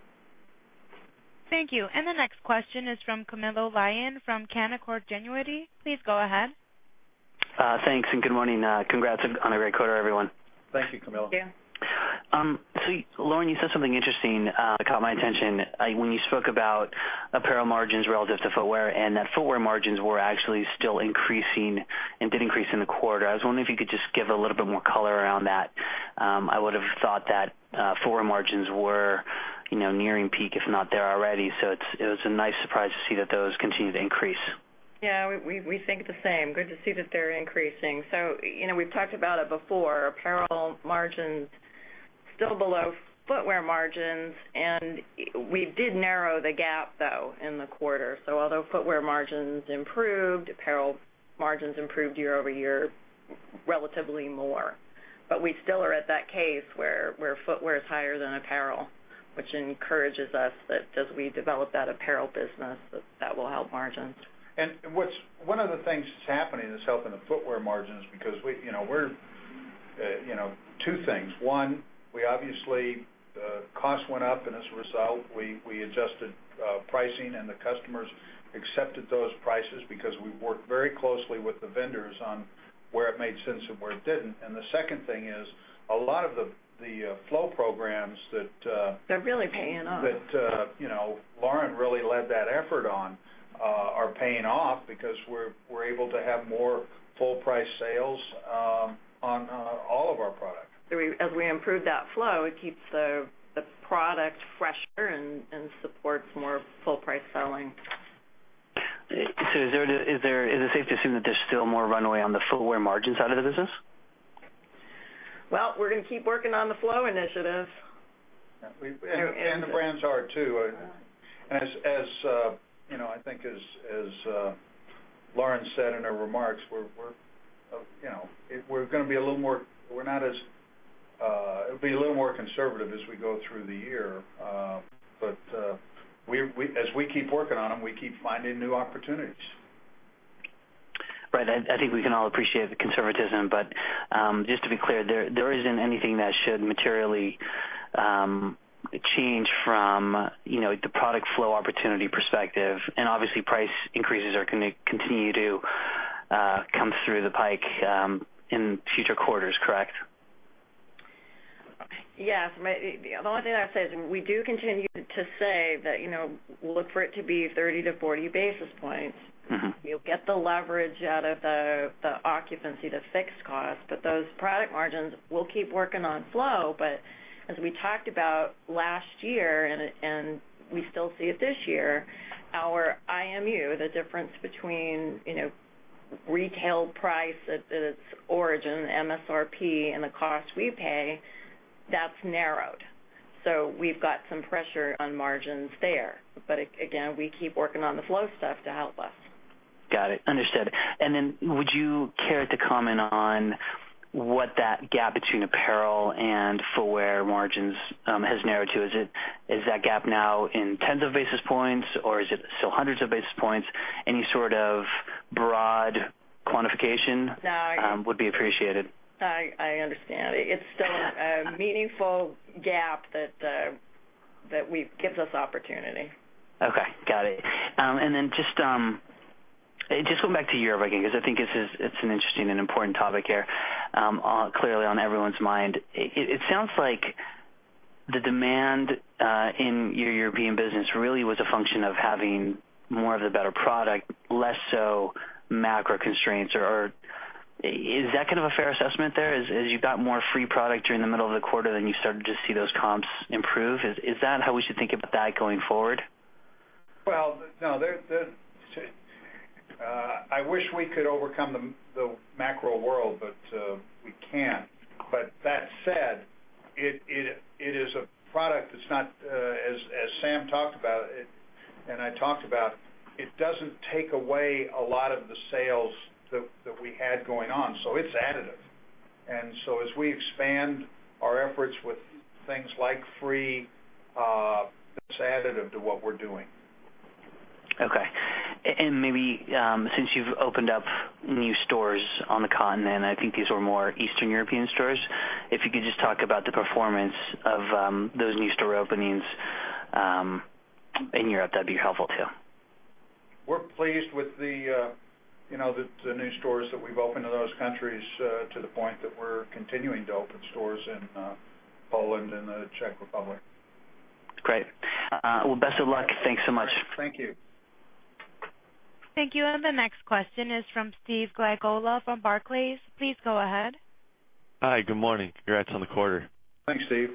Thank you. The next question is from Camilo Lyon from Canaccord Genuity. Please go ahead. Thanks. Good morning. Congrats on a great quarter, everyone. Thank you, Camilo. Yeah. Lauren, you said something interesting that caught my attention. When you spoke about apparel margins relative to footwear and that footwear margins were actually still increasing and did increase in the quarter. I was wondering if you could just give a little bit more color around that. I would have thought that footwear margins were nearing peak, if not there already. It was a nice surprise to see that those continue to increase. Yeah, we think the same. Good to see that they're increasing. We've talked about it before. Apparel margins still below footwear margins, and we did narrow the gap, though, in the quarter. Although footwear margins improved, apparel margins improved year-over-year relatively more. We still are at that case where footwear is higher than apparel, which encourages us that as we develop that apparel business, that will help margins. One of the things that's happening that's helping the footwear margins because two things. One, obviously, cost went up and as a result, we adjusted pricing and the customers accepted those prices because we worked very closely with the vendors on where it made sense and where it didn't. The second thing is a lot of the flow programs that- They're really paying off that Lauren really led that effort on, are paying off because we're able to have more full price sales on all of our products. As we improve that flow, it keeps the product fresher and supports more full price selling. Is it safe to assume that there's still more runway on the footwear margins side of the business? We're going to keep working on the flow initiative. The brands are too. I think as Lauren said in her remarks, we're going to be a little more conservative as we go through the year. As we keep working on them, we keep finding new opportunities. Right. I think we can all appreciate the conservatism. Just to be clear, there isn't anything that should materially change from the product flow opportunity perspective and obviously price increases are going to continue to come through the pipeline in future quarters, correct? Yes. The only thing I'd say is we do continue to say that, we'll look for it to be 30 to 40 basis points. You'll get the leverage out of the occupancy, the fixed cost, those product margins we'll keep working on flow. As we talked about last year, and we still see it this year, our IMU, the difference between retail price at its origin, MSRP, and the cost we pay, that's narrowed. We've got some pressure on margins there. Again, we keep working on the flow stuff to help us. Got it. Understood. Would you care to comment on what that gap between apparel and footwear margins has narrowed to? Is that gap now in tens of basis points or is it still hundreds of basis points? Any sort of broad quantification- No would be appreciated. I understand. It's still a meaningful gap that gives us opportunity. Okay. Got it. Just going back to Europe, again, because I think it's an interesting and important topic here, clearly on everyone's mind. It sounds like the demand in your European business really was a function of having more of the better product, less so macro constraints. Or is that kind of a fair assessment there? As you got more Free product during the middle of the quarter, then you started to see those comps improve. Is that how we should think about that going forward? Well, no. I wish we could overcome the macro world, but we can't. That said, it is a product that's not, as Sam talked about it and I talked about, it doesn't take away a lot of the sales that we had going on. It's additive. As we expand our efforts with things like Free, it's additive to what we're doing. Okay. Maybe, since you've opened up new stores on the continent, I think these were more Eastern European stores. If you could just talk about the performance of those new store openings in Europe, that'd be helpful too. We're pleased with the new stores that we've opened in those countries, to the point that we're continuing to open stores in Poland and the Czech Republic. Great. Well, best of luck. Thanks so much. Thank you. Thank you. The next question is from Steve Gleghola from Barclays. Please go ahead. Hi. Good morning. Congrats on the quarter. Thanks, Steve.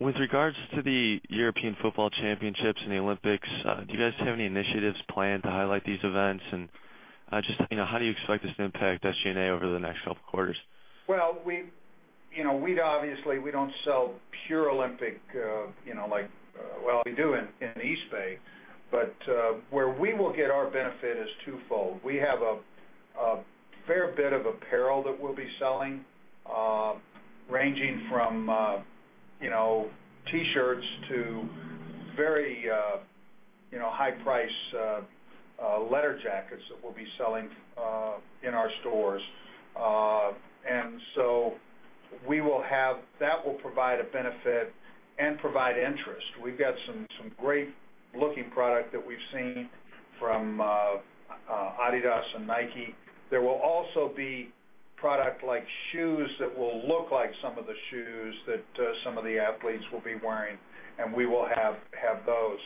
With regards to the European football championships and the Olympics, do you guys have any initiatives planned to highlight these events? Just how do you expect this to impact SG&A over the next couple of quarters? Well, obviously we don't sell pure Olympic, like, well, we do in the Eastbay. Where we will get our benefit is twofold. We have a fair bit of apparel that we'll be selling, ranging from T-shirts to very high-priced leather jackets that we'll be selling in our stores. That will provide a benefit and provide interest. We've got some great-looking product that we've seen from Adidas and Nike. There will also be product like shoes that will look like some of the shoes that some of the athletes will be wearing, and we will have those.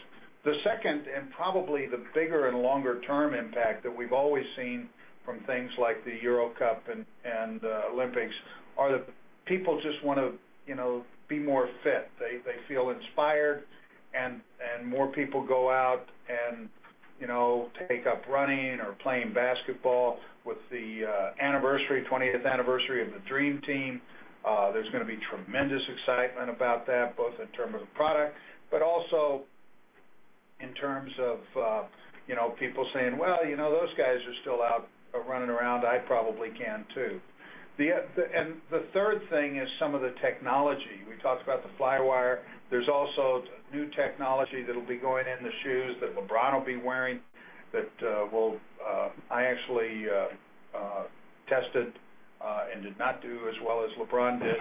The second and probably the bigger and longer-term impact that we've always seen from things like the Euro Cup and the Olympics are that people just want to be more fit. They feel inspired and more people go out and take up running or playing basketball. With the 20th anniversary of the Dream Team, there's going to be tremendous excitement about that, both in terms of product, but also in terms of people saying, "Well, those guys are still out running around. I probably can, too." The third thing is some of the technology. We talked about the Flywire. There's also new technology that'll be going in the shoes that LeBron will be wearing that I actually tested and did not do as well as LeBron did.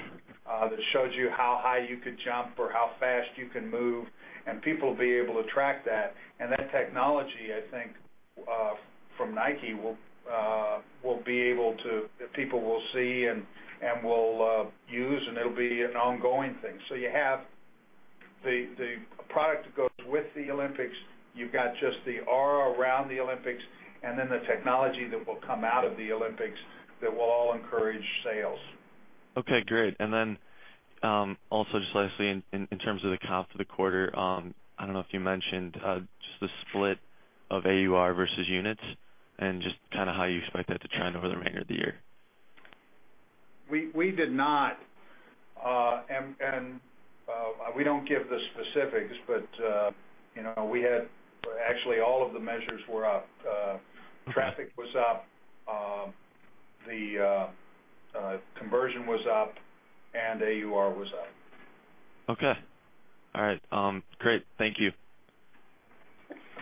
That shows you how high you could jump or how fast you can move, and people will be able to track that. That technology, I think, from Nike, people will see and will use, and it'll be an ongoing thing. You have the product that goes with the Olympics. You've got just the aura around the Olympics, the technology that will come out of the Olympics that will all encourage sales. Okay, great. Also just lastly, in terms of the comp for the quarter, I don't know if you mentioned, just the split of AUR versus units and just how you expect that to trend over the remainder of the year. We did not, we don't give the specifics, actually all of the measures were up. Traffic was up, the conversion was up, AUR was up. Okay. All right. Great. Thank you.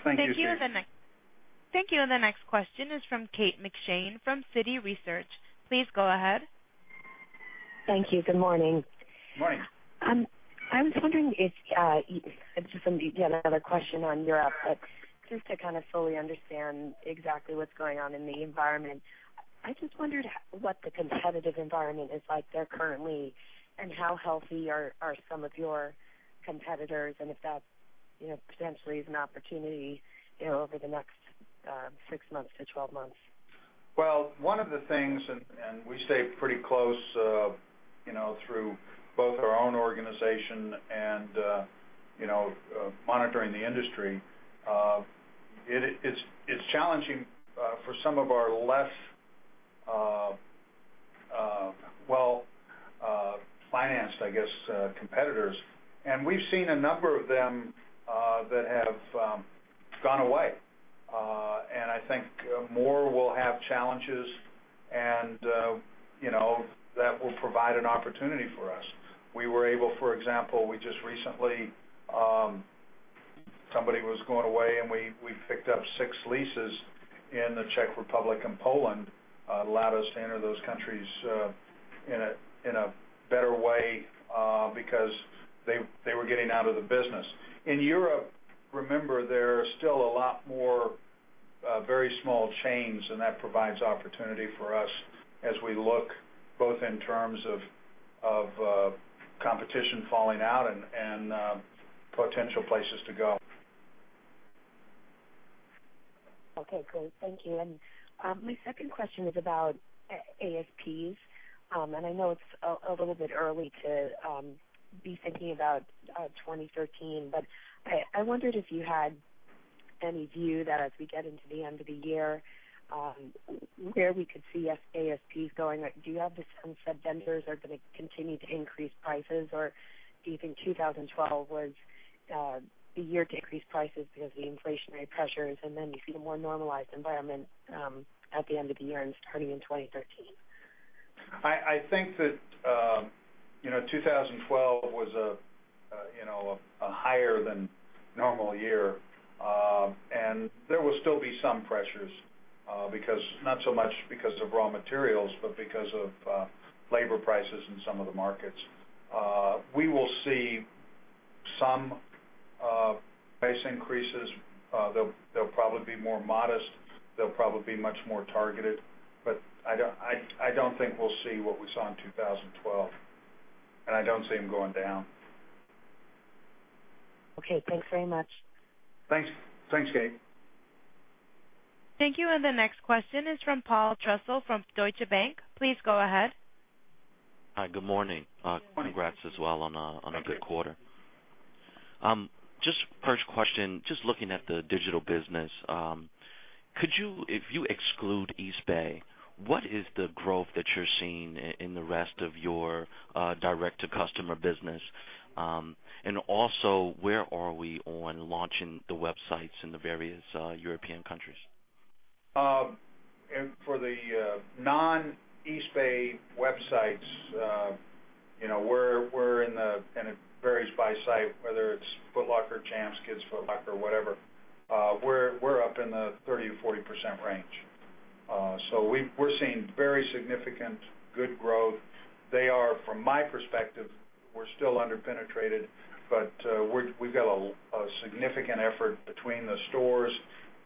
Thank you. Thank you. The next question is from Kate McShane from Citi Research. Please go ahead. Thank you. Good morning. Morning. I was wondering if, just another question on Europe, just to kind of fully understand exactly what's going on in the environment, I just wondered what the competitive environment is like there currently and how healthy are some of your competitors and if that potentially is an opportunity over the next 6 months to 12 months. Well, one of the things, we stay pretty close through both our own organization and monitoring the industry. It's challenging for some of our less well-financed, I guess, competitors. We've seen a number of them that have gone away. I think more will have challenges and that will provide an opportunity for us. We were able, for example, we just recently somebody was going away, and we picked up six leases in the Czech Republic and Poland. Allowed us to enter those countries in a better way because they were getting out of the business. In Europe, remember, there are still a lot more very small chains, that provides opportunity for us as we look both in terms of competition falling out and potential places to go. Okay, great. Thank you. My second question is about ASPs. I know it's a little bit early to be thinking about 2013, but I wondered if you had any view that as we get into the end of the year, where we could see ASPs going. Do you have the sense that vendors are going to continue to increase prices, or do you think 2012 was the year to increase prices because of the inflationary pressures, you see a more normalized environment at the end of the year and starting in 2013? I think that 2012 was a higher than normal year. There will still be some pressures, not so much because of raw materials, because of labor prices in some of the markets. We will see some price increases. They'll probably be more modest. They'll probably be much more targeted. I don't think we'll see what we saw in 2012, I don't see them going down. Okay, thanks very much. Thanks, Kate. Thank you. The next question is from Paul Trussell from Deutsche Bank. Please go ahead. Hi, good morning. Morning. Congrats as well. Thank you. a good quarter. First question, looking at the digital business. If you exclude Eastbay, what is the growth that you're seeing in the rest of your direct-to-customer business? Also, where are we on launching the websites in the various European countries? For the non-Eastbay websites, and it varies by site, whether it's Foot Locker, Champs, Kids Foot Locker, whatever, we're up in the 30%-40% range. We're seeing very significant, good growth. They are, from my perspective, we're still under-penetrated, but we've got a significant effort between the stores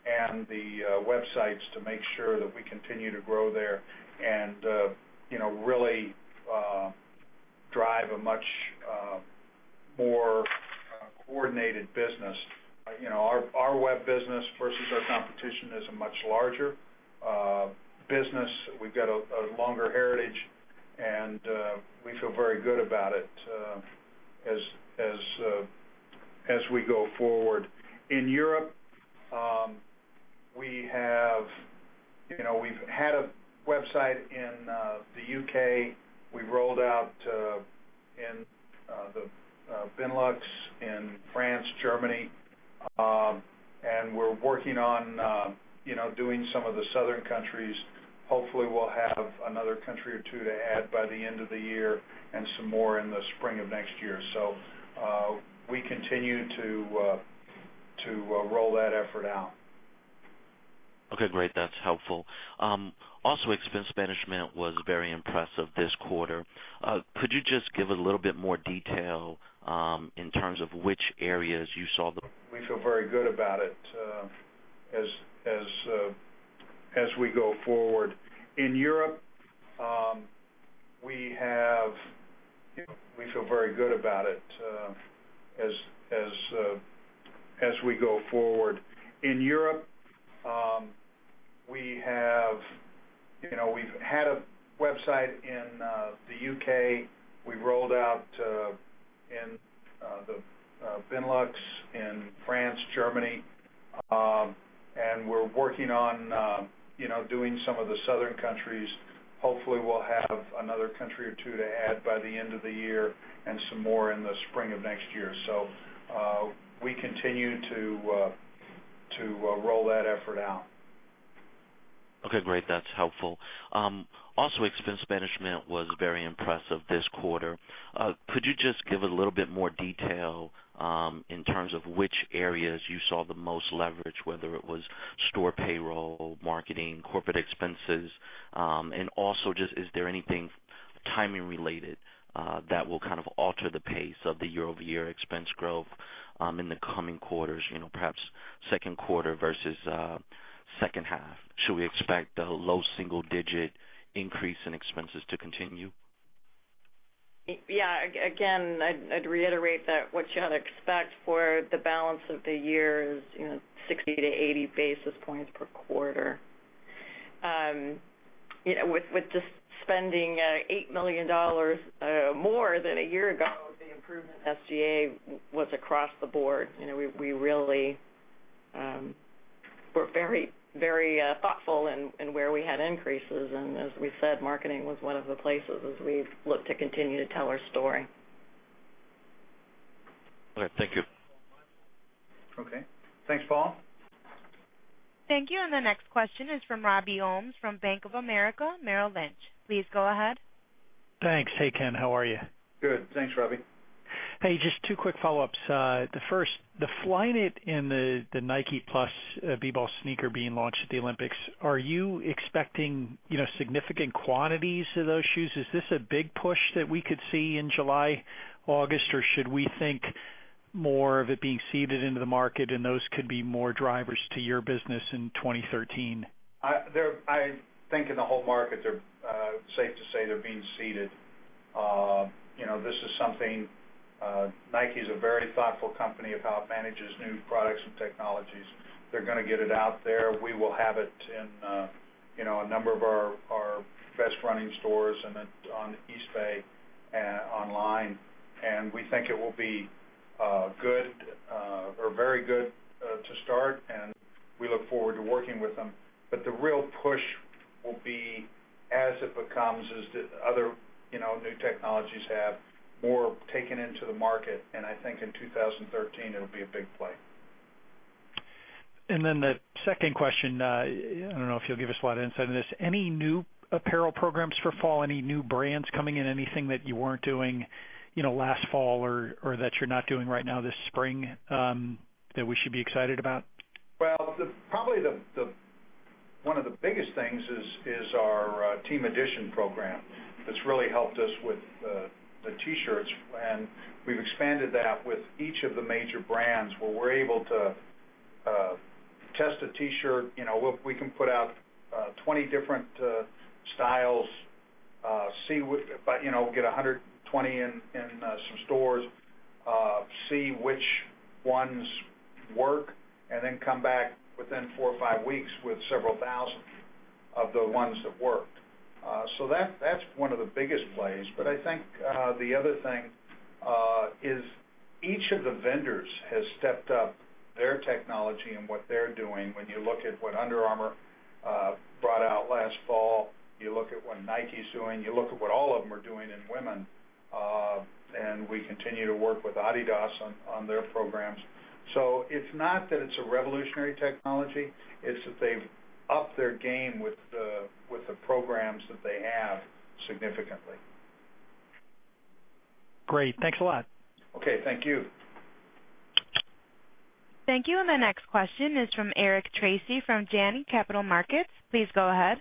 and the websites to make sure that we continue to grow there and really drive a much more coordinated business. Our web business versus our competition is a much larger business. We've got a longer heritage, and we feel very good about it as we go forward. In Europe, we've had a website in the U.K. We've rolled out in the Benelux, in France, Germany, and we're working on doing some of the southern countries. Hopefully, we'll have another country or two to add by the end of the year and some more in the spring of next year. We continue to roll that effort out. Okay, great. That's helpful. Also, expense management was very impressive this quarter. Could you just give a little bit more detail in terms of which areas you saw. We feel very good about it as we go forward. In Europe, we've had a website in the U.K. We've rolled out in the Benelux, in France, Germany. We're working on doing some of the southern countries. Hopefully, we'll have another country or two to add by the end of the year and some more in the spring of next year. We continue to roll that effort out. Okay, great. That's helpful. Also, expense management was very impressive this quarter. Could you just give a little bit more detail in terms of which areas you saw the most leverage, whether it was store payroll, marketing, corporate expenses? Also, is there anything timing related that will alter the pace of the year-over-year expense growth in the coming quarters, perhaps second quarter versus second half? Should we expect the low single-digit increase in expenses to continue? Yeah. Again, I'd reiterate that what you ought to expect for the balance of the year is 60 to 80 basis points per quarter. With just spending $8 million more than a year ago, the improvement in SG&A was across the board. We really were very, very thoughtful in where we had increases. As we said, marketing was one of the places as we've looked to continue to tell our story. All right. Thank you. Okay. Thanks, Paul. Thank you. The next question is from Robert Ohmes from Bank of America Merrill Lynch. Please go ahead. Thanks. Hey, Ken, how are you? Good. Thanks, Robbie. Hey, just two quick follow-ups. The first, the Flyknit in the Nike+ b-ball sneaker being launched at the Olympics. Are you expecting significant quantities of those shoes? Is this a big push that we could see in July, August, or should we think more of it being seeded into the market and those could be more drivers to your business in 2013? I think in the whole market, safe to say, they're being seeded. Nike is a very thoughtful company of how it manages new products and technologies. They're going to get it out there. We will have it in a number of our best running stores and then on Eastbay online. We think it will be good or very good to start, and we look forward to working with them. The real push will be as it becomes, as the other new technologies have, more taken into the market, and I think in 2013, it'll be a big play. Then the second question, I don't know if you'll give us a lot of insight on this. Any new apparel programs for fall? Any new brands coming in? Anything that you weren't doing last fall or that you're not doing right now this spring that we should be excited about? Probably one of the biggest things is our Team Edition program. That's really helped us with the T-shirts, and we've expanded that with each of the major brands, where we're able to test a T-shirt. We can put out 20 different styles, get 120 in some stores, see which ones work, then come back within four or five weeks with several thousand of the ones that worked. That's one of the biggest plays. I think the other thing is each of the vendors has stepped up their technology and what they're doing. When you look at what Under Armour brought out last fall, you look at what Nike's doing, you look at what all of them are doing in women. We continue to work with Adidas on their programs. It's not that it's a revolutionary technology, it's that they've upped their game with the programs that they have significantly. Great. Thanks a lot. Okay. Thank you. Thank you. The next question is from Eric Tracy from Janney Capital Markets. Please go ahead.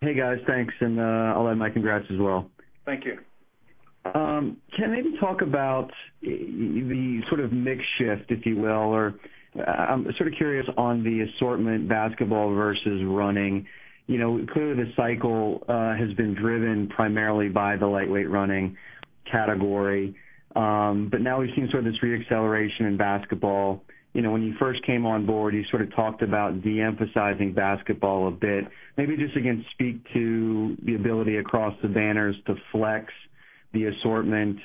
Hey, guys. Thanks, and I'll add my congrats as well. Thank you. Ken, maybe talk about the sort of mix shift, if you will, or I'm sort of curious on the assortment basketball versus running. Clearly, the cycle has been driven primarily by the lightweight running category. Now we've seen sort of this re-acceleration in basketball. When you first came on board, you sort of talked about de-emphasizing basketball a bit. Maybe just, again, speak to the ability across the banners to flex the assortment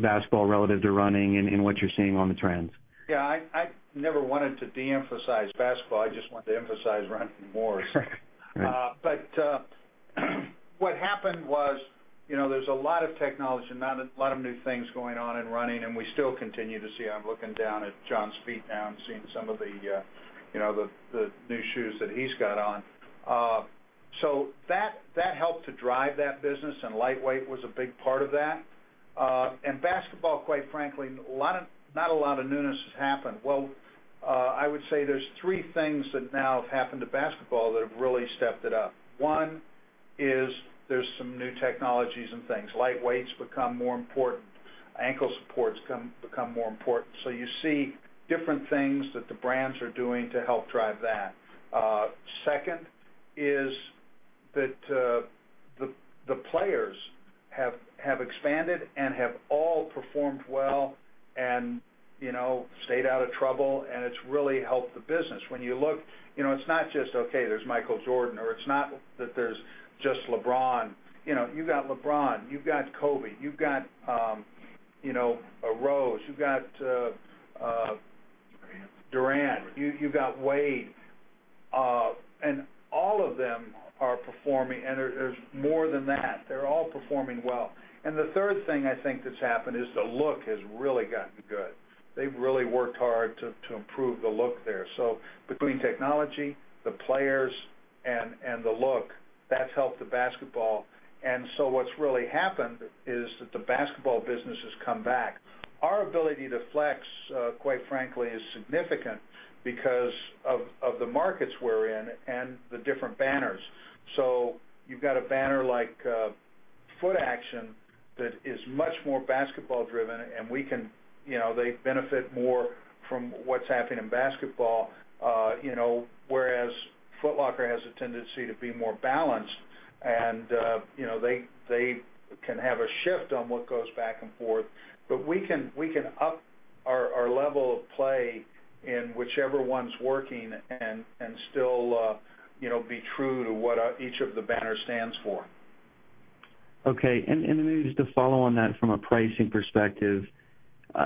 basketball relative to running and what you're seeing on the trends. Yeah, I never wanted to de-emphasize basketball. I just wanted to emphasize running more. Right. What happened was there's a lot of technology, a lot of new things going on in running, and we still continue to see. I'm looking down at John's feet now and seeing some of the new shoes that he's got on. That helped to drive that business, and lightweight was a big part of that. Basketball, quite frankly, not a lot of newness has happened. Well, I would say there's three things that now have happened to basketball that have really stepped it up. One is there's some new technologies and things. Lightweights become more important. Ankle supports become more important. You see different things that the brands are doing to help drive that. Second is that the players have expanded and have all performed well and stayed out of trouble, it's really helped the business. When you look, it's not just, okay, there's Michael Jordan, or it's not that there's just LeBron. You've got LeBron, you've got Kobe, you've got Rose. Durant Durant, you've got Wade. All of them are performing, and there's more than that. They're all performing well. The third thing I think that's happened is the look has really gotten good. They've really worked hard to improve the look there. Between technology, the players, and the look, that's helped the basketball. What's really happened is that the basketball business has come back. Our ability to flex, quite frankly, is significant because of the markets we're in and the different banners. You've got a banner like Footaction that is much more basketball-driven, and they benefit more from what's happening in basketball. Whereas Foot Locker has a tendency to be more balanced and they can have a shift on what goes back and forth. We can up our level of play in whichever one's working and still be true to what each of the banners stands for. Okay. Maybe just to follow on that from a pricing perspective.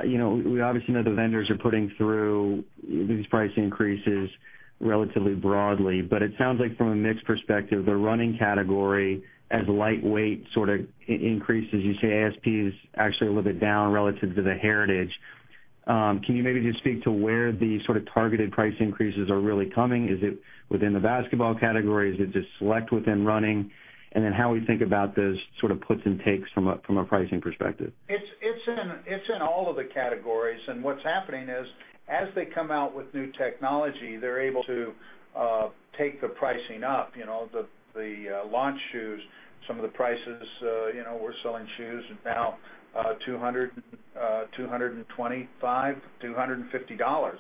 We obviously know the vendors are putting through these price increases relatively broadly, but it sounds like from a mix perspective, the running category as lightweight sort of increases. You say ASP is actually a little bit down relative to the heritage. Can you maybe just speak to where the sort of targeted price increases are really coming? Is it within the basketball category? Is it just select within running? How we think about those sort of puts and takes from a pricing perspective. It's in all of the categories. What's happening is, as they come out with new technology, they're able to take the pricing up. The launch shoes, some of the prices, we're selling shoes now $200, $225, $250.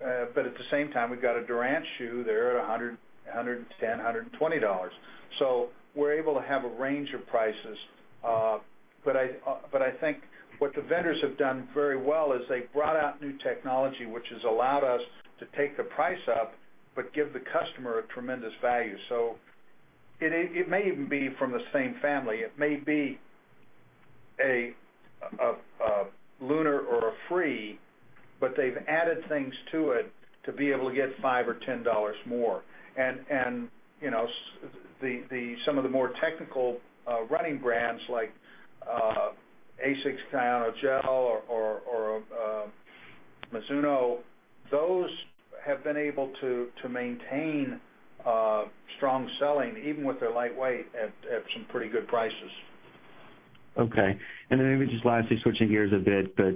At the same time, we've got a Durant shoe there at $100, $110, $120. We're able to have a range of prices. I think what the vendors have done very well is they brought out new technology, which has allowed us to take the price up but give the customer a tremendous value. It may even be from the same family. It may be a Lunar or a Free, but they've added things to it to be able to get $5 or $10 more. Some of the more technical running brands like ASICS, GEL, or Mizuno, those have been able to maintain strong selling, even with their lightweight, at some pretty good prices. Okay. Maybe just lastly, switching gears a bit, but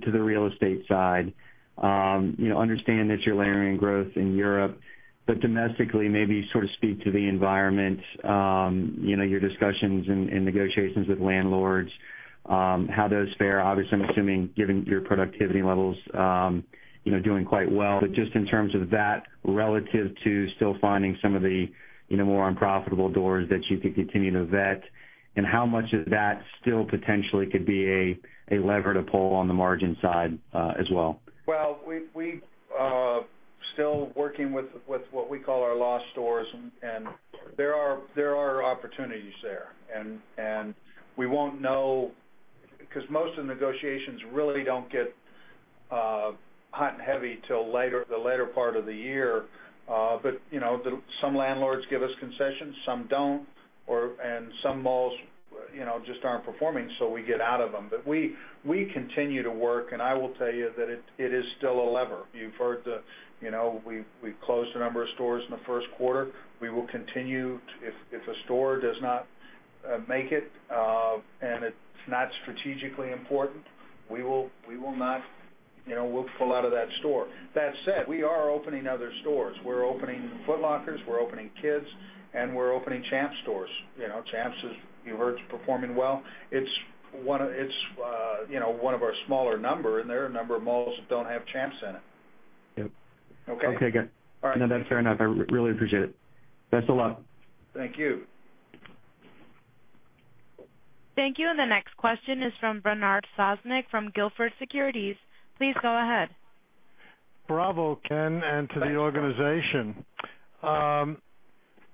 to the real estate side. Understand that you're layering growth in Europe, but domestically, maybe sort of speak to the environment, your discussions and negotiations with landlords, how those fare. Obviously, I'm assuming, given your productivity levels, doing quite well. Just in terms of that relative to still finding some of the more unprofitable doors that you could continue to vet, and how much of that still potentially could be a lever to pull on the margin side as well. Well, we still working with what we call our lost stores, and there are opportunities there. We won't know because most of the negotiations really don't get hot and heavy till the later part of the year. Some landlords give us concessions, some don't, and some malls just aren't performing, so we get out of them. We continue to work, and I will tell you that it is still a lever. You've heard that we've closed a number of stores in the first quarter. We will continue. If a store does not make it, and it's not strategically important, we'll pull out of that store. That said, we are opening other stores. We're opening Foot Lockers, we're opening Kids, and we're opening Champs stores. Champs, as you heard, is performing well. It's one of our smaller number, and there are a number of malls that don't have Champs in it. Yep. Okay. Okay, good. All right. No, that's fair enough. I really appreciate it. Best of luck. Thank you. Thank you. The next question is from Bernard Sosnick from Gilford Securities. Please go ahead. Bravo, Ken, and to the organization.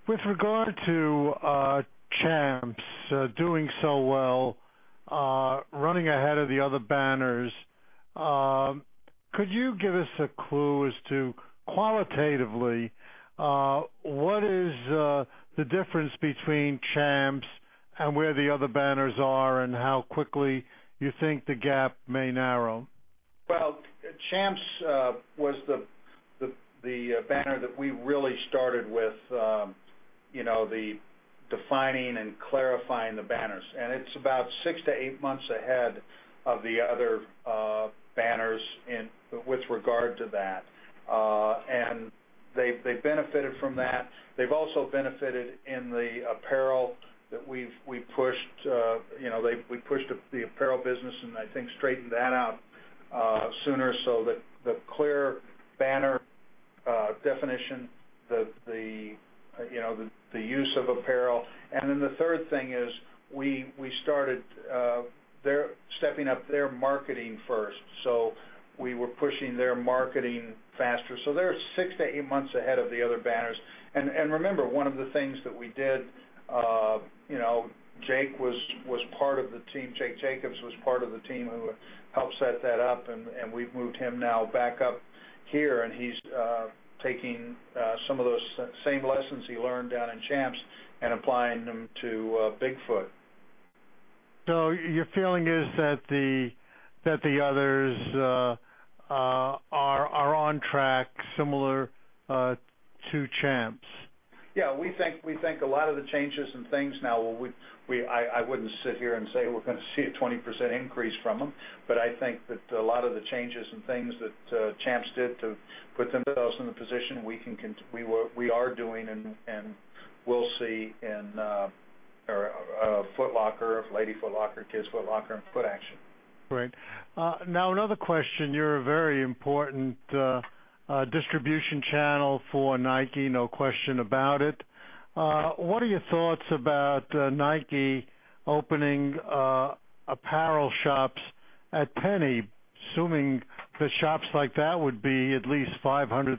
With regard to Champs doing so well, running ahead of the other banners, could you give us a clue as to qualitatively, what is the difference between Champs and where the other banners are and how quickly you think the gap may narrow? Well, Champs was the banner that we really started with the defining and clarifying the banners. It's about 6 to 8 months ahead of the other banners with regard to that. They benefited from that. They've also benefited in the apparel that we've pushed. We pushed the apparel business and I think straightened that out sooner. The clear banner definition, the use of apparel. The third thing is we started stepping up their marketing first. We were pushing their marketing faster. They're 6 to 8 months ahead of the other banners. Remember, one of the things that we did, Jake Jacobs was part of the team who helped set that up, and we've moved him now back up here, and he's taking some of those same lessons he learned down in Champs and applying them to Foot Locker. Your feeling is that the others are on track similar to Champs? Yeah, we think a lot of the changes in things now, I wouldn't sit here and say we're going to see a 20% increase from them. I think that a lot of the changes and things that Champs did to put themselves in the position, we are doing and we'll see in our Foot Locker, Lady Foot Locker, Kids Foot Locker, and Footaction. Great. Now, another question. You're a very important distribution channel for Nike. No question about it. What are your thoughts about Nike opening apparel shops at Penney, assuming the shops like that would be at least 500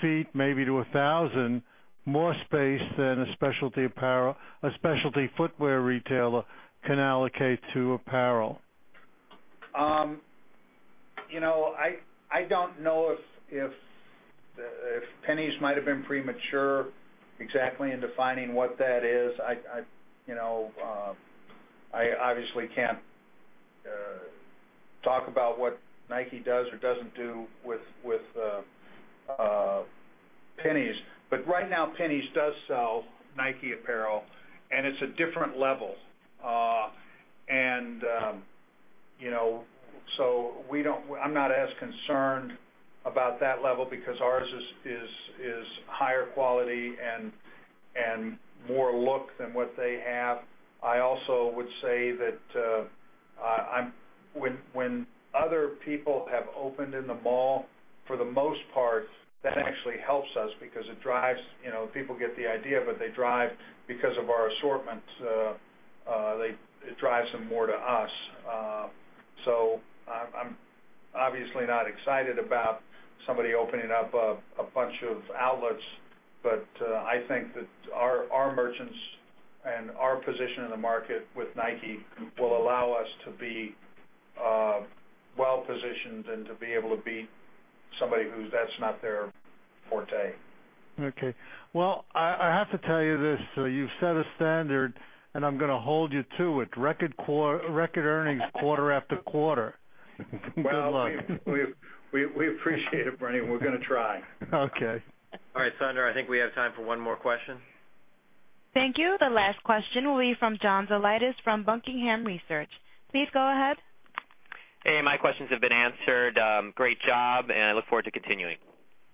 feet, maybe to 1,000 more space than a specialty footwear retailer can allocate to apparel. I don't know if Penney's might have been premature exactly in defining what that is. I obviously can't talk about what Nike does or doesn't do with Penney's. Right now, Penney's does sell Nike apparel, and it's a different level. I'm not as concerned about that level because ours is higher quality and more look than what they have. I also would say that when other people have opened in the mall, for the most part, that actually helps us because people get the idea, but they drive because of our assortment. It drives them more to us. I'm obviously not excited about somebody opening up a bunch of outlets, but I think that our merchants and our position in the market with Nike will allow us to be well-positioned and to be able to beat somebody who that's not their forte. Okay. Well, I have to tell you this. You've set a standard, and I'm going to hold you to it. Record earnings quarter after quarter. Good luck. Well, we appreciate it, Bernie, and we're going to try. Okay. All right, Sandra, I think we have time for one more question. Thank you. The last question will be from John Zolidis from Buckingham Research. Please go ahead. Hey, my questions have been answered. Great job, and I look forward to continuing.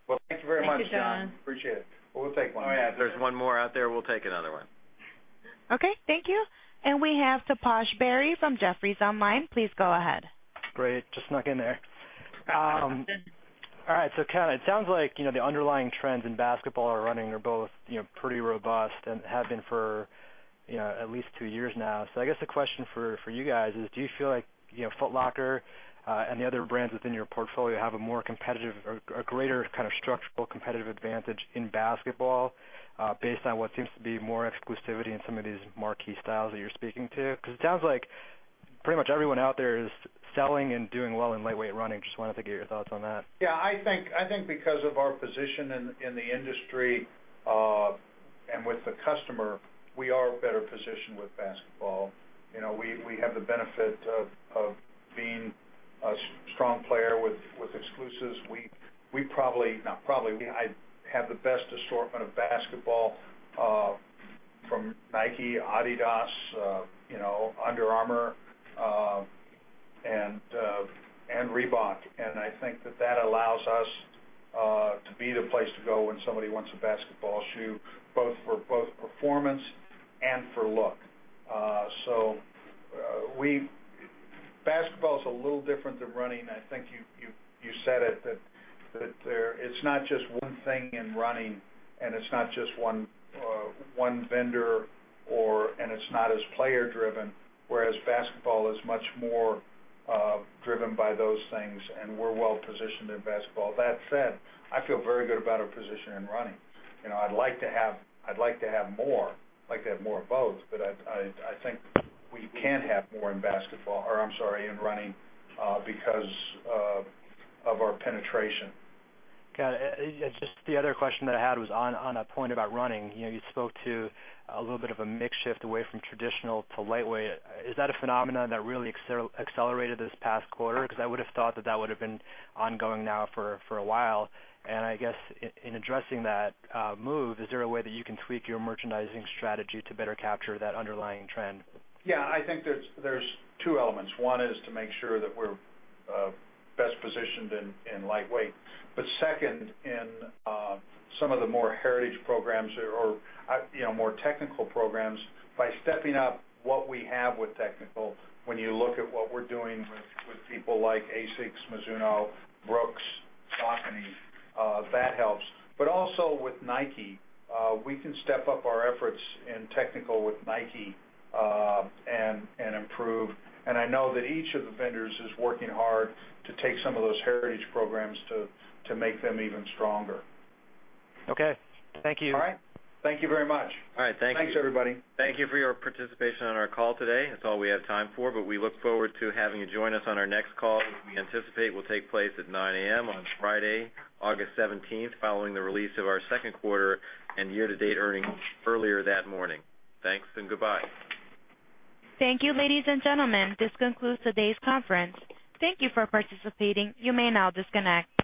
Well, thank you very much, John. Thank you, John. Appreciate it. Well, we'll take one. All right. If there's one more out there, we'll take another one. Okay. Thank you. We have Taposh Bari from Jefferies online. Please go ahead. Great. Just snuck in there. All right. Ken, it sounds like the underlying trends in basketball are running are both pretty robust and have been for at least two years now. I guess the question for you guys is, do you feel like Foot Locker and the other brands within your portfolio have a more competitive or a greater kind of structural competitive advantage in basketball based on what seems to be more exclusivity in some of these marquee styles that you're speaking to? Because it sounds like pretty much everyone out there is selling and doing well in lightweight running. Just wanted to get your thoughts on that. Yeah, I think because of our position in the industry and with the customer, we are better positioned with basketball. We have the benefit of being a strong player with exclusives. We have the best assortment of basketball from Nike, Adidas, Under Armour, and Reebok. I think that allows us to be the place to go when somebody wants a basketball shoe, both for performance and for look. Basketball is a little different than running. I think you said it, that it's not just one thing in running, and it's not just one vendor, and it's not as player-driven, whereas basketball is much more driven by those things, and we're well positioned in basketball. That said, I feel very good about our position in running. I'd like to have more. I'd like to have more of both, I think we can have more in running because of our penetration. Got it. Just the other question that I had was on a point about running. You spoke to a little bit of a mix shift away from traditional to lightweight. Is that a phenomenon that really accelerated this past quarter? I would have thought that that would have been ongoing now for a while. I guess, in addressing that move, is there a way that you can tweak your merchandising strategy to better capture that underlying trend? Yeah, I think there's two elements. One is to make sure that we're best positioned in lightweight. Second, in some of the more heritage programs or more technical programs, by stepping up what we have with technical, when you look at what we're doing with people like ASICS, Mizuno, Brooks, Saucony, that helps. Also with Nike, we can step up our efforts in technical with Nike and improve. I know that each of the vendors is working hard to take some of those heritage programs to make them even stronger. Okay. Thank you. All right. Thank you very much. All right. Thank you. Thanks, everybody. Thank you for your participation on our call today. That's all we have time for, but we look forward to having you join us on our next call, which we anticipate will take place at 9:00 A.M. on Friday, August 17th, following the release of our second quarter and year-to-date earnings earlier that morning. Thanks and goodbye. Thank you, ladies and gentlemen. This concludes today's conference. Thank you for participating. You may now disconnect.